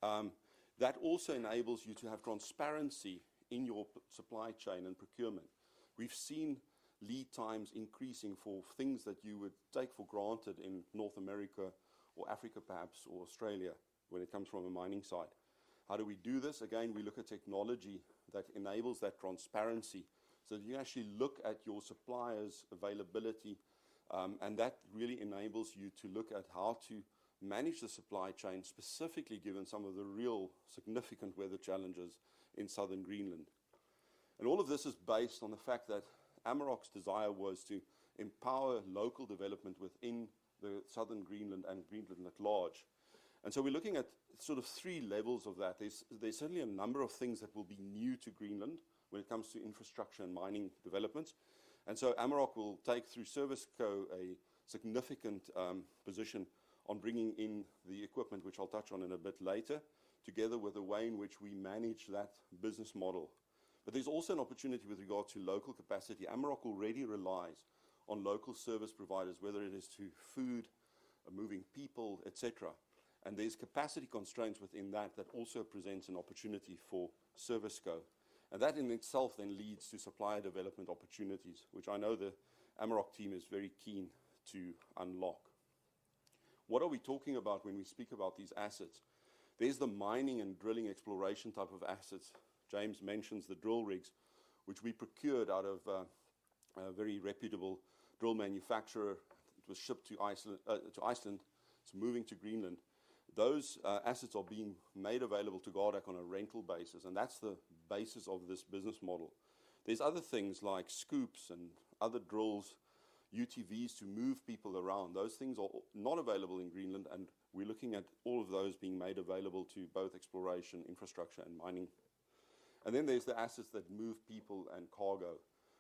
That also enables you to have transparency in your supply chain and procurement. We've seen lead times increasing for things that you would take for granted in North America or Africa, perhaps, or Australia when it comes from a mining site. How do we do this? Again, we look at technology that enables that transparency so that you actually look at your suppliers' availability. And that really enables you to look at how to manage the supply chain, specifically given some of the real significant weather challenges in southern Greenland. And all of this is based on the fact that Amaroq's desire was to empower local development within southern Greenland and Greenland at large. And so we're looking at sort of three levels of that. There's certainly a number of things that will be new to Greenland when it comes to infrastructure and mining development. And so Amaroq will take through ServiceCo a significant position on bringing in the equipment, which I'll touch on in a bit later, together with the way in which we manage that business model. But there's also an opportunity with regard to local capacity. Amaroq already relies on local service providers, whether it is to food, moving people, etc. And there's capacity constraints within that that also presents an opportunity for ServiceCo. And that in itself then leads to supplier development opportunities, which I know the Amaroq team is very keen to unlock. What are we talking about when we speak about these assets? There's the mining and drilling exploration type of assets. James mentions the drill rigs, which we procured out of a very reputable drill manufacturer. It was shipped to Iceland. It's moving to Greenland. Those assets are being made available to Gardar on a rental basis, and that's the basis of this business model. There's other things like scoops and other drills, UTVs to move people around. Those things are not available in Greenland, and we're looking at all of those being made available to both exploration, infrastructure, and mining. Then there's the assets that move people and cargo,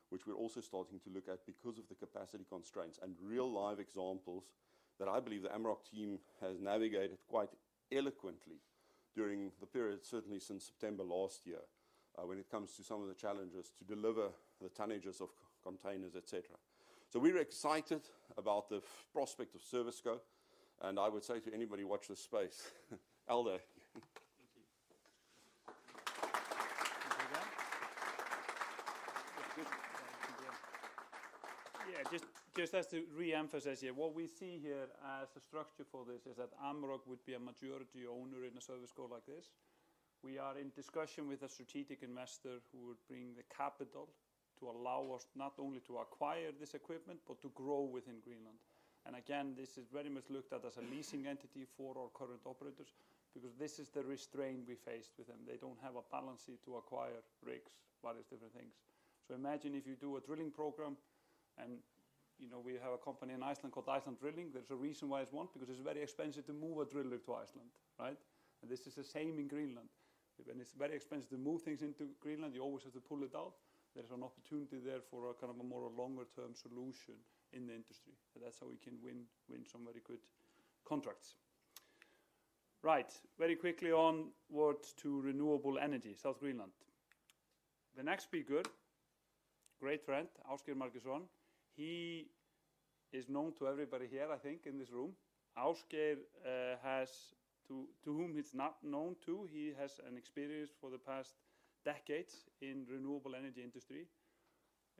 which we're also starting to look at because of the capacity constraints and real live examples that I believe the Amaroq team has navigated quite eloquently during the period, certainly since September last year, when it comes to some of the challenges to deliver the tonnages of containers, etc. So we're excited about the prospect of ServiceCo, and I would say to anybody, watch this space. Eldur. Thank you. Yeah, just as to reemphasize here, what we see here as a structure for this is that Amaroq would be a majority owner in a ServiceCo like this. We are in discussion with a strategic investor who would bring the capital to allow us not only to acquire this equipment, but to grow within Greenland. And again, this is very much looked at as a leasing entity for our current operators because this is the restraint we faced with them. They don't have a balance sheet to acquire rigs, various different things. So imagine if you do a drilling program and we have a company in Iceland called Iceland Drilling. There's a reason why it's one because it's very expensive to move a driller to Iceland, right? And this is the same in Greenland. When it's very expensive to move things into Greenland, you always have to pull it out. There's an opportunity there for kind of a more longer-term solution in the industry. That's how we can win some very good contracts. Right. Very quickly onwards to renewable energy, South Greenland. The next speaker, great friend, Ásgeir Márkusson, he is known to everybody here, I think, in this room. Ásgeir has to whom he's not known to, he has an experience for the past decades in the renewable energy industry,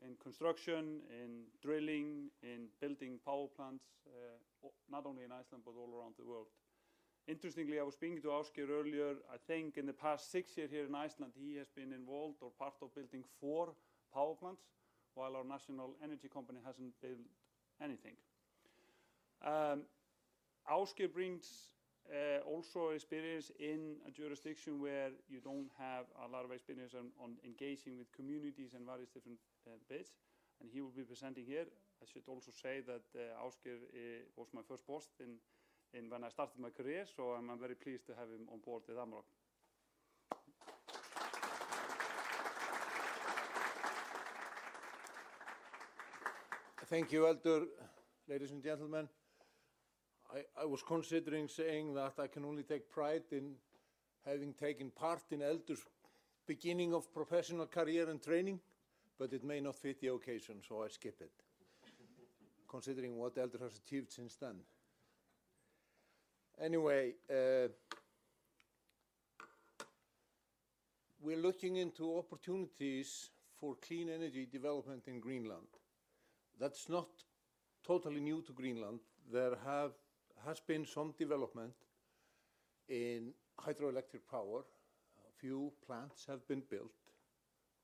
in construction, in drilling, in building power plants, not only in Iceland, but all around the world. Interestingly, I was speaking to Ásgeir earlier. I think in the past 6 years here in Iceland, he has been involved or part of building 4 power plants, while our national energy company hasn't built anything. Ásgeir brings also experience in a jurisdiction where you don't have a lot of experience on engaging with communities and various different bits. And he will be presenting here. I should also say that Ásgeir was my first boss when I started my career, so I'm very pleased to have him on board with Amaroq. Thank you, Eldur, ladies and gentlemen. I was considering saying that I can only take pride in having taken part in Eldur's beginning of professional career and training, but it may not fit the occasion, so I skip it, considering what Eldur has achieved since then. Anyway, we're looking into opportunities for clean energy development in Greenland. That's not totally new to Greenland. There has been some development in hydroelectric power. A few plants have been built,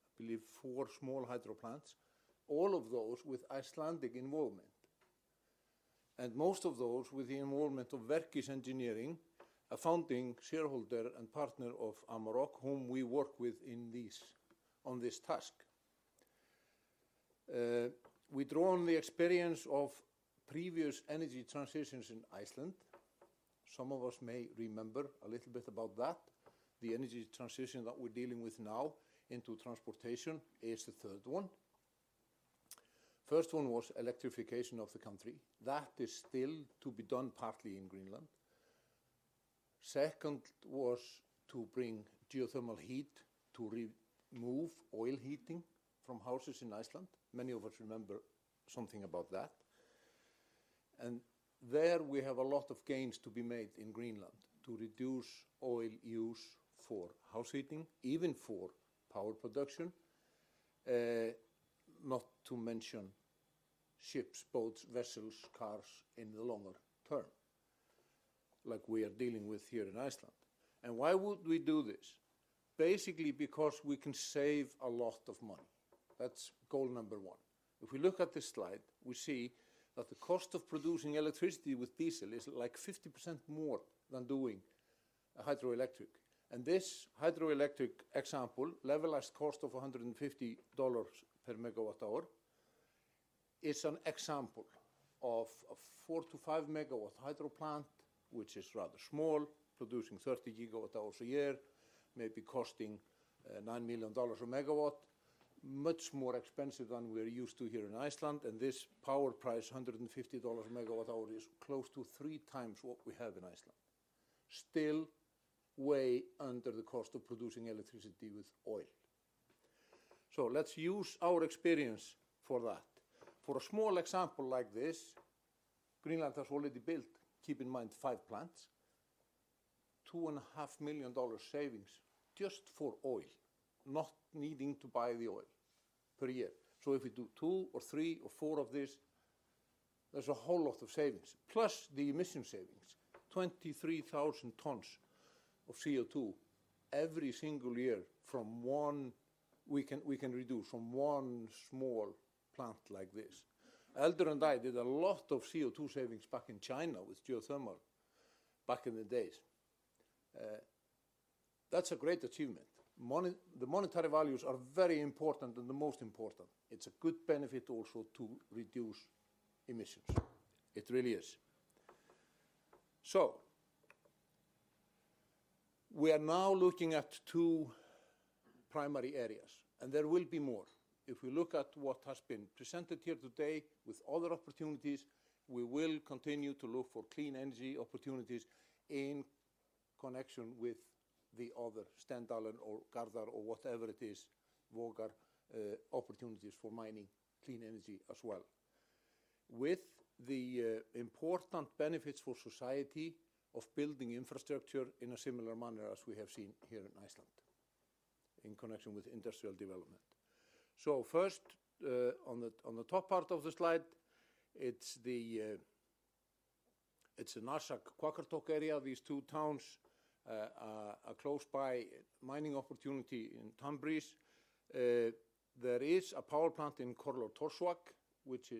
I believe four small hydro plants, all of those with Icelandic involvement, and most of those with the involvement of Verkís, a founding shareholder and partner of Amaroq, whom we work with on this task. We draw on the experience of previous energy transitions in Iceland. Some of us may remember a little bit about that. The energy transition that we're dealing with now into transportation is the third one. The first one was electrification of the country. That is still to be done partly in Greenland. Second was to bring geothermal heat to remove oil heating from houses in Iceland. Many of us remember something about that. And there we have a lot of gains to be made in Greenland to reduce oil use for house heating, even for power production, not to mention ships, boats, vessels, cars in the longer term, like we are dealing with here in Iceland. And why would we do this? Basically because we can save a lot of money. That's goal number one. If we look at this slide, we see that the cost of producing electricity with diesel is like 50% more than doing a hydroelectric. This hydroelectric example, levelized cost of $150 per MWh, is an example of a 4-5 MW hydro plant, which is rather small, producing 30 GWh a year, maybe costing $9 million per MW, much more expensive than we're used to here in Iceland. This power price, $150 per MWh, is close to three times what we have in Iceland, still way under the cost of producing electricity with oil. So let's use our experience for that. For a small example like this, Greenland has already built, keep in mind, 5 plants, $2.5 million savings just for oil, not needing to buy the oil per year. So if we do two or three or four of this, there's a whole lot of savings, plus the emission savings, 23,000 tons of CO2 every single year from one we can reduce from one small plant like this. Eldur and I did a lot of CO2 savings back in China with geothermal back in the days. That's a great achievement. The monetary values are very important and the most important. It's a good benefit also to reduce emissions. It really is. So we are now looking at two primary areas, and there will be more. If we look at what has been presented here today with other opportunities, we will continue to look for clean energy opportunities in connection with the other Stendalen or Gardar or whatever it is, Vagar opportunities for mining clean energy as well, with the important benefits for society of building infrastructure in a similar manner as we have seen here in Iceland in connection with industrial development. So first, on the top part of the slide, it's a Narsaq-Qaqortoq area. These two towns are close by mining opportunity in Tanbreez. There is a power plant in Qorlortorsuaq, which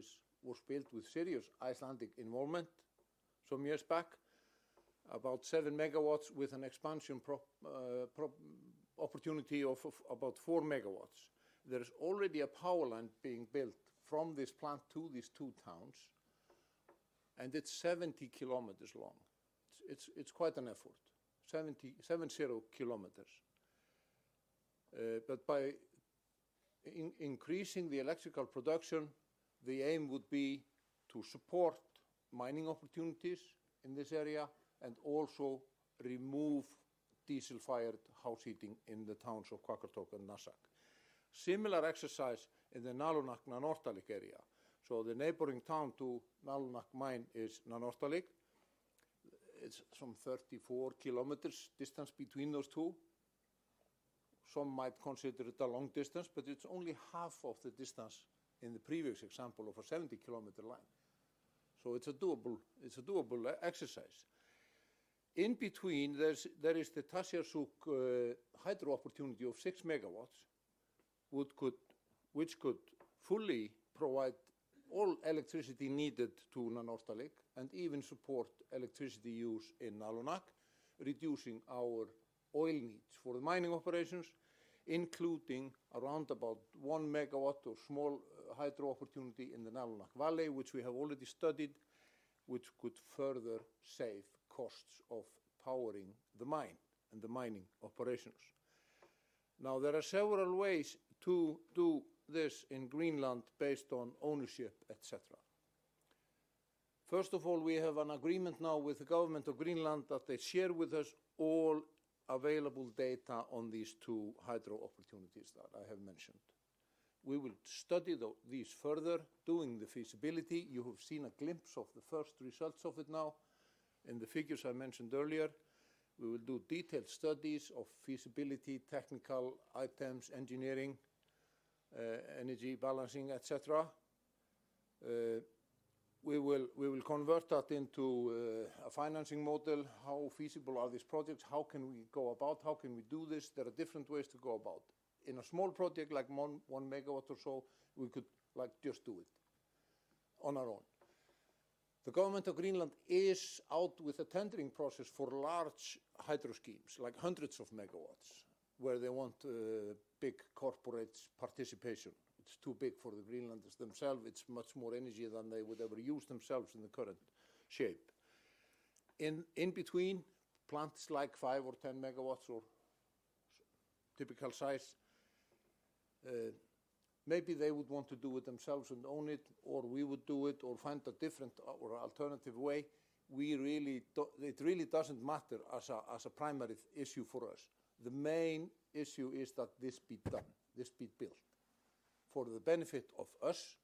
was built with serious Icelandic involvement some years back, about 7 MW with an expansion opportunity of about 4 MW. There's already a power line being built from this plant to these two towns, and it's 70 km long. It's quite an effort, 70 km. But by increasing the electrical production, the aim would be to support mining opportunities in this area and also remove diesel-fired house heating in the towns of Qaqortoq and Narsaq. Similar exercise in the Nalunaq-Nanortalik area. So the neighboring town to Nalunaq mine is Nanortalik. It's some 34 km distance between those two. Some might consider it a long distance, but it's only half of the distance in the previous example of a 70-km line. So it's a doable exercise. In between, there is the Tasiusaq hydro opportunity of 6 MW, which could fully provide all electricity needed to Nanortalik and even support electricity use in Nalunaq, reducing our oil needs for the mining operations, including around about 1 MW of small hydro opportunity in the Nalunaq Valley, which we have already studied, which could further save costs of powering the mine and the mining operations. Now, there are several ways to do this in Greenland based on ownership, etc. First of all, we have an agreement now with the government of Greenland that they share with us all available data on these two hydro opportunities that I have mentioned. We will study these further, doing the feasibility. You have seen a glimpse of the first results of it now in the figures I mentioned earlier. We will do detailed studies of feasibility, technical items, engineering, energy balancing, etc. We will convert that into a financing model. How feasible are these projects? How can we go about? How can we do this? There are different ways to go about. In a small project like 1 megawatt or so, we could just do it on our own. The government of Greenland is out with a tendering process for large hydro schemes, like hundreds of megawatts, where they want big corporate participation. It's too big for the Greenlanders themselves. It's much more energy than they would ever use themselves in the current shape. In between, plants like 5 or 10 megawatts or typical size, maybe they would want to do it themselves and own it, or we would do it or find a different or alternative way. It really doesn't matter as a primary issue for us. The main issue is that this be done, this be built for the benefit of us,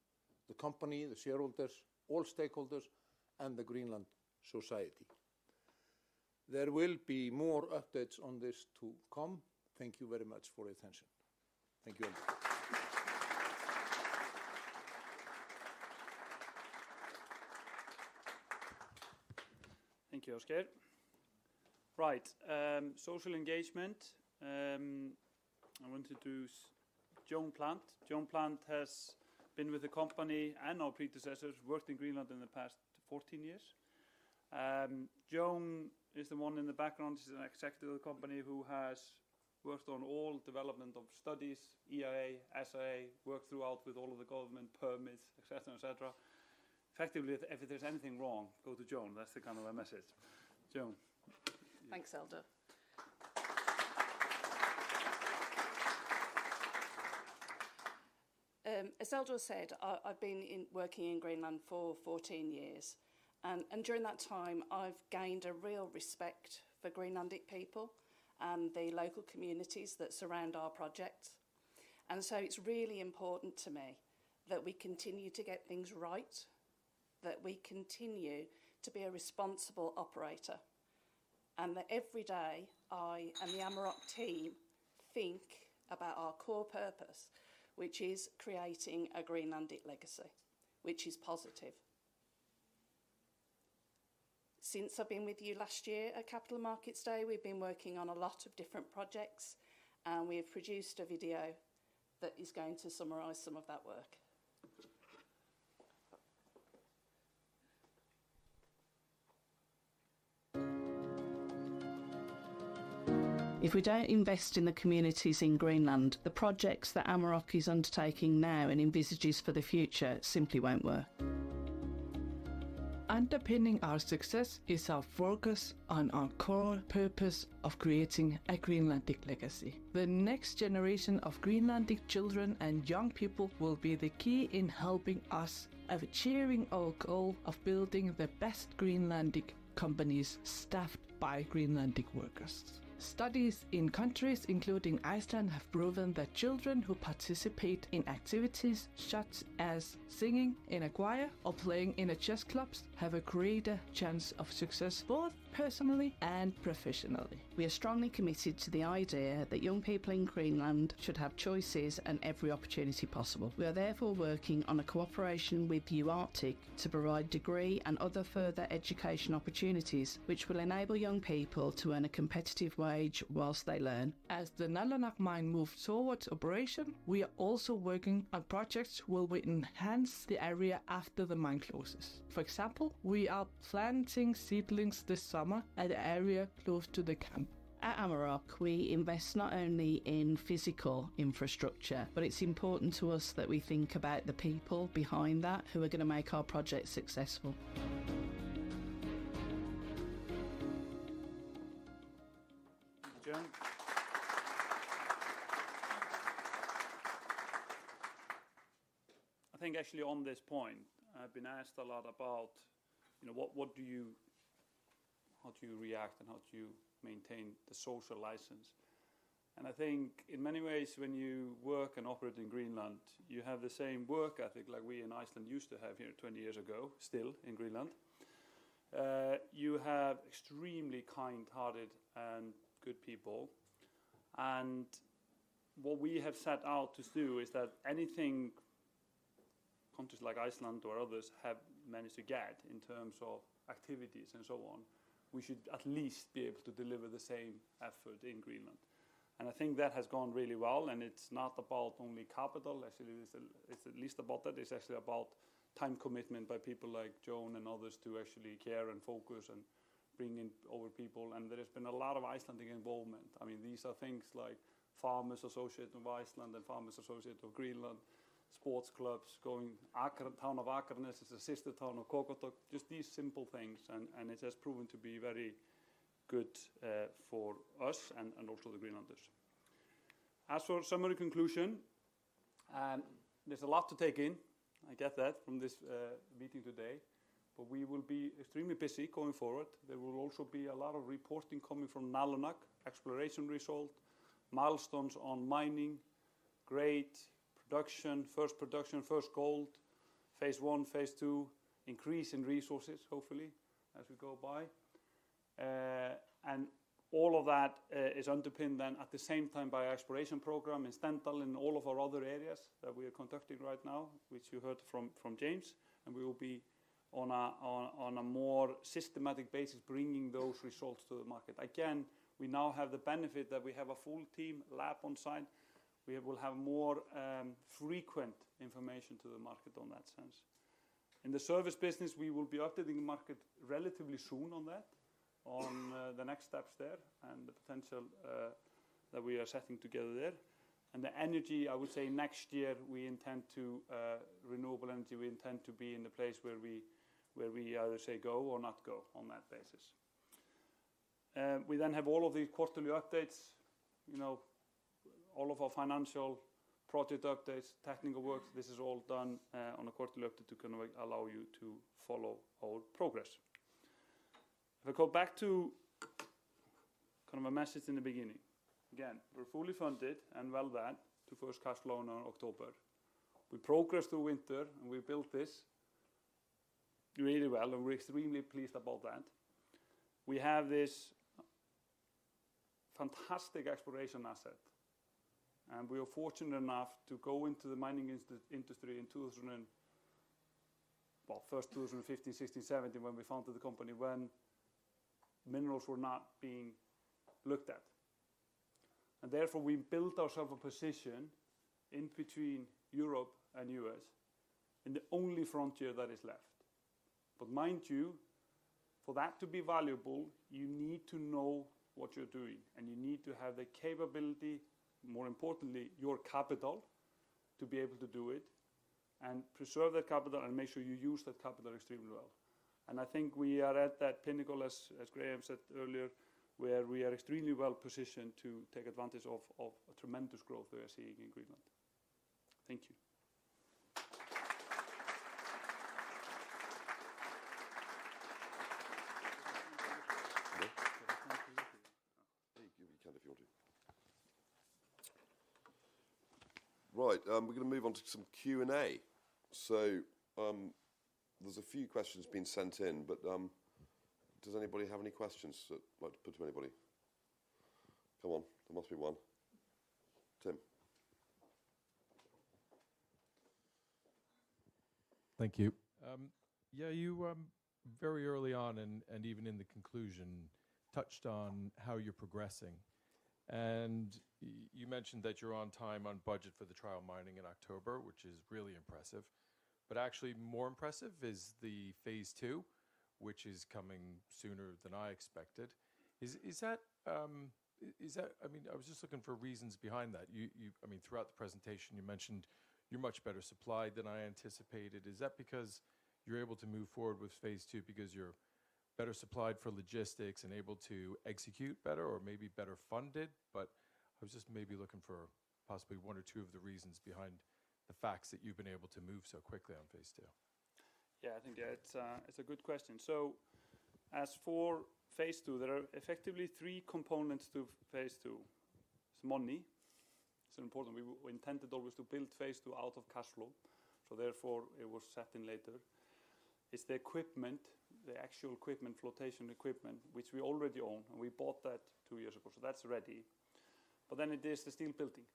the company, the shareholders, all stakeholders, and the Greenland society. There will be more updates on this to come. Thank you very much for your attention. Thank you very much. Thank you, Ásgeir. Right. Social engagement. I wanted to do Joan Plant. Joan Plant has been with the company and our predecessors, worked in Greenland in the past 14 years. Joan is the one in the background. She's an executive of the company who has worked on all development of studies, EIA, SIA, worked throughout with all of the government, permits, etc., etc. Effectively, if there's anything wrong, go to Joan. That's the kind of a message. Joan. Thanks, Eldur. As Eldur said, I've been working in Greenland for 14 years. And during that time, I've gained a real respect for Greenlandic people and the local communities that surround our projects. And so it's really important to me that we continue to get things right, that we continue to be a responsible operator, and that every day I and the Amaroq team think about our core purpose, which is creating a Greenlandic legacy, which is positive. Since I've been with you last year at Capital Markets Day, we've been working on a lot of different projects, and we have produced a video that is going to summarize some of that work. If we don't invest in the communities in Greenland, the projects that Amaroq is undertaking now and envisages for the future simply won't work. Underpinning our success is our focus on our core purpose of creating a Greenlandic legacy. The next generation of Greenlandic children and young people will be the key in helping us achieve our goal of building the best Greenlandic companies staffed by Greenlandic workers. Studies in countries including Iceland have proven that children who participate in activities such as singing in a choir or playing in a chess club have a greater chance of success both personally and professionally. We are strongly committed to the idea that young people in Greenland should have choices and every opportunity possible. We are therefore working on a cooperation with UArctic to provide degree and other further education opportunities, which will enable young people to earn a competitive wage whilst they learn. As the Nalunaq mine moves towards operation, we are also working on projects where we enhance the area after the mine closes. For example, we are planting seedlings this summer at an area close to the camp. At Amaroq, we invest not only in physical infrastructure, but it's important to us that we think about the people behind that who are going to make our project successful. Joan. I think actually on this point, I've been asked a lot about, you know, what do you react and how do you maintain the social license? And I think in many ways, when you work and operate in Greenland, you have the same work ethic like we in Iceland used to have here 20 years ago, still in Greenland. You have extremely kind-hearted and good people. And what we have set out to do is that anything countries like Iceland or others have managed to get in terms of activities and so on, we should at least be able to deliver the same effort in Greenland. And I think that has gone really well. And it's not about only capital. Actually, it's at least about that. It's actually about time commitment by people like Joan and others to actually care and focus and bring in other people. And there has been a lot of Icelandic involvement. I mean, these are things like farmers associated with Iceland and farmers associated with Greenland, sports clubs going to town of Akranes, which is a sister town of Qaqortoq. Just these simple things. It has proven to be very good for us and also the Greenlanders. As for summary conclusion, there's a lot to take in. I get that from this meeting today, but we will be extremely busy going forward. There will also be a lot of reporting coming from Nalunaq, exploration result, milestones on mining, gold production, first production, first gold, phase one, phase two, increase in resources, hopefully, as we go by. And all of that is underpinned then at the same time by our exploration program in Stendalen and all of our other areas that we are conducting right now, which you heard from James. We will be on a more systematic basis bringing those results to the market. Again, we now have the benefit that we have a full team lab on site. We will have more frequent information to the market on that sense. In the service business, we will be updating the market relatively soon on that, on the next steps there and the potential that we are setting together there. And the energy, I would say next year, we intend to renewable energy, we intend to be in the place where we either say go or not go on that basis. We then have all of the quarterly updates, you know, all of our financial project updates, technical work. This is all done on a quarterly update to kind of allow you to follow our progress. If I go back to kind of a message in the beginning, again, we're fully funded and well that to first cash flow on October. We progressed through winter and we built this really well and we're extremely pleased about that. We have this fantastic exploration asset and we were fortunate enough to go into the mining industry in 2000, well, first 2015, 2016, 2017 when we founded the company when minerals were not being looked at. And therefore, we built ourselves a position in between Europe and the US in the only frontier that is left. But mind you, for that to be valuable, you need to know what you're doing and you need to have the capability, more importantly, your capital to be able to do it and preserve that capital and make sure you use that capital extremely well. I think we are at that pinnacle, as Graham said earlier, where we are extremely well positioned to take advantage of a tremendous growth we are seeing in Greenland. Thank you. Thank you. You can if you want to. Right. We're going to move on to some Q&A. So there's a few questions being sent in, but does anybody have any questions that you'd like to put to anybody? Come on. There must be one. Tim. Thank you. Yeah, you very early on and even in the conclusion touched on how you're progressing. And you mentioned that you're on time on budget for the trial mining in October, which is really impressive. But actually more impressive is the phase two, which is coming sooner than I expected. Is that, I mean, I was just looking for reasons behind that. I mean, throughout the presentation, you mentioned you're much better supplied than I anticipated. Is that because you're able to move forward with phase two because you're better supplied for logistics and able to execute better or maybe better funded? But I was just maybe looking for possibly one or two of the reasons behind the facts that you've been able to move so quickly on phase two. Yeah, I think it's a good question. So as for phase two, there are effectively three components to phase two. It's money. It's important. We intended always to build phase two out of cash flow. So therefore, it was set in later. It's the equipment, the actual equipment, flotation equipment, which we already own and we bought that two years ago. So that's ready. But then it is the steel building,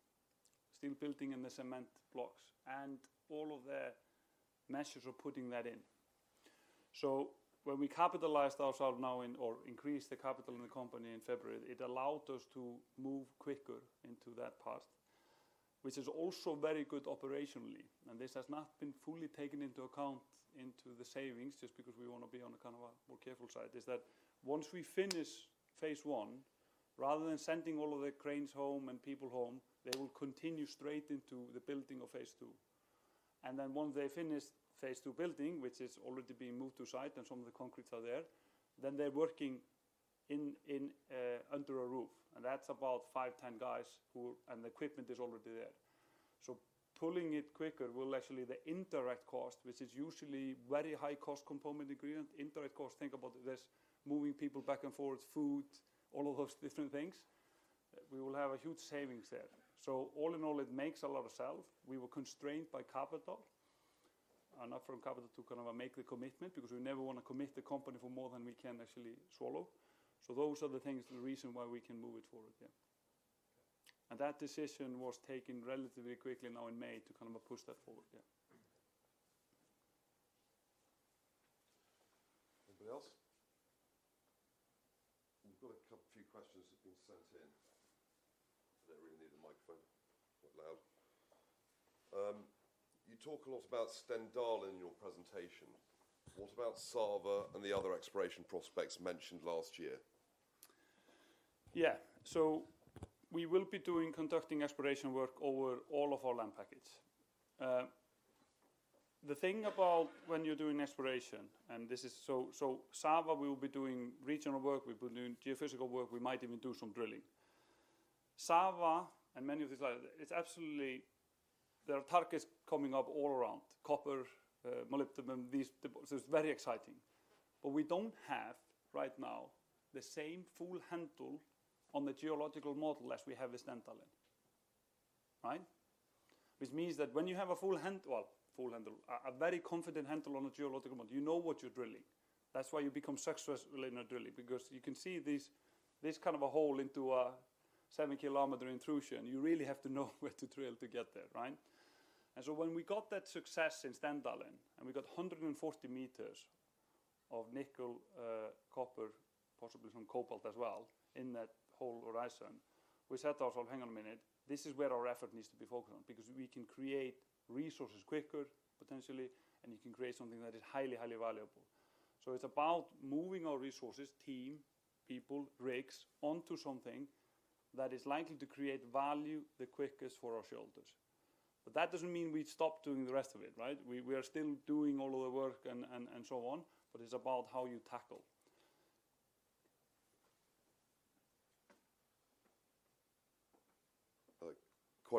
steel building and the cement blocks and all of the measures of putting that in. So when we capitalized ourselves now in or increased the capital in the company in February, it allowed us to move quicker into that part, which is also very good operationally. And this has not been fully taken into account into the savings just because we want to be on a kind of a more careful side. It's that once we finish phase one, rather than sending all of the cranes home and people home, they will continue straight into the building of phase two. And then once they finish phase two building, which is already being moved to site and some of the concretes are there, then they're working under a roof. And that's about 5, 10 guys who and the equipment is already there. So pulling it quicker will actually the indirect cost, which is usually very high cost component in Greenland, indirect cost, think about this moving people back and forth, food, all of those different things. We will have a huge savings there. So all in all, it makes a lot of sales. We were constrained by capital and not from capital to kind of make the commitment because we never want to commit the company for more than we can actually swallow. So those are the things, the reason why we can move it forward, yeah. And that decision was taken relatively quickly now in May to kind of push that forward, yeah. Anybody else? We've got a few questions that have been sent in. I don't really need the microphone. It's quite loud. You talk a lot about Stendalen in your presentation. What about Sava and the other exploration prospects mentioned last year? Yeah. So we will be doing conducting exploration work over all of our land packets. The thing about when you're doing exploration, and this is so Sava, we will be doing regional work, we will be doing geophysical work, we might even do some drilling. Sava and many of these lands, it's absolutely there are targets coming up all around, copper, molybdenum, so it's very exciting. But we don't have right now the same full handle on the geological model as we have with Stendalen, right? Which means that when you have a full handle, well, full handle, a very confident handle on the geological model, you know what you're drilling. That's why you become successful in a drilling because you can see this kind of a hole into a seven kilometer intrusion. You really have to know where to drill to get there, right? And so when we got that success in Stendalen and we got 140 meters of nickel, copper, possibly some cobalt as well in that whole horizon, we said to ourselves, hang on a minute, this is where our effort needs to be focused on because we can create resources quicker potentially and you can create something that is highly, highly valuable. So it's about moving our resources, team, people, rigs onto something that is likely to create value the quickest for our shareholders. But that doesn't mean we stop doing the rest of it, right? We are still doing all of the work and so on, but it's about how you tackle. Quite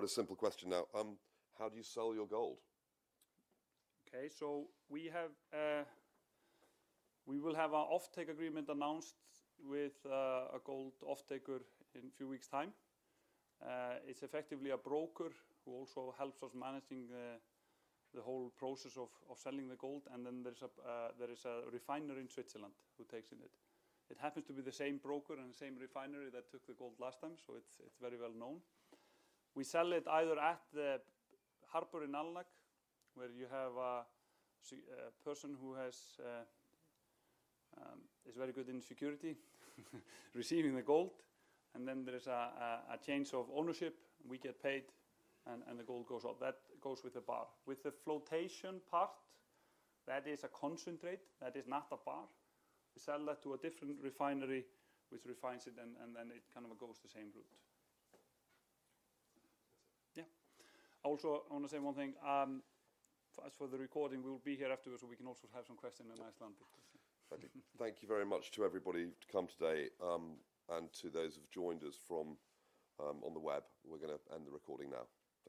a simple question now. How do you sell your gold? Okay, so we will have our offtake agreement announced with a gold offtaker in a few weeks' time. It's effectively a broker who also helps us managing the whole process of selling the gold. And then there is a refinery in Switzerland who takes in it. It happens to be the same broker and the same refinery that took the gold last time, so it's very well known. We sell it either at the harbor in Nalunaq where you have a person who is very good in security receiving the gold. And then there is a change of ownership. We get paid and the gold goes up. That goes with the bar. With the flotation part, that is a concentrate. That is not a bar. We sell that to a different refinery which refines it and then it kind of goes the same route. Yeah. Also, I want to say one thing. As for the recording, we will be here afterwards so we can also have some questions in Iceland. Thank you very much to everybody who've come today and to those who've joined us from on the web. We're going to end the recording now.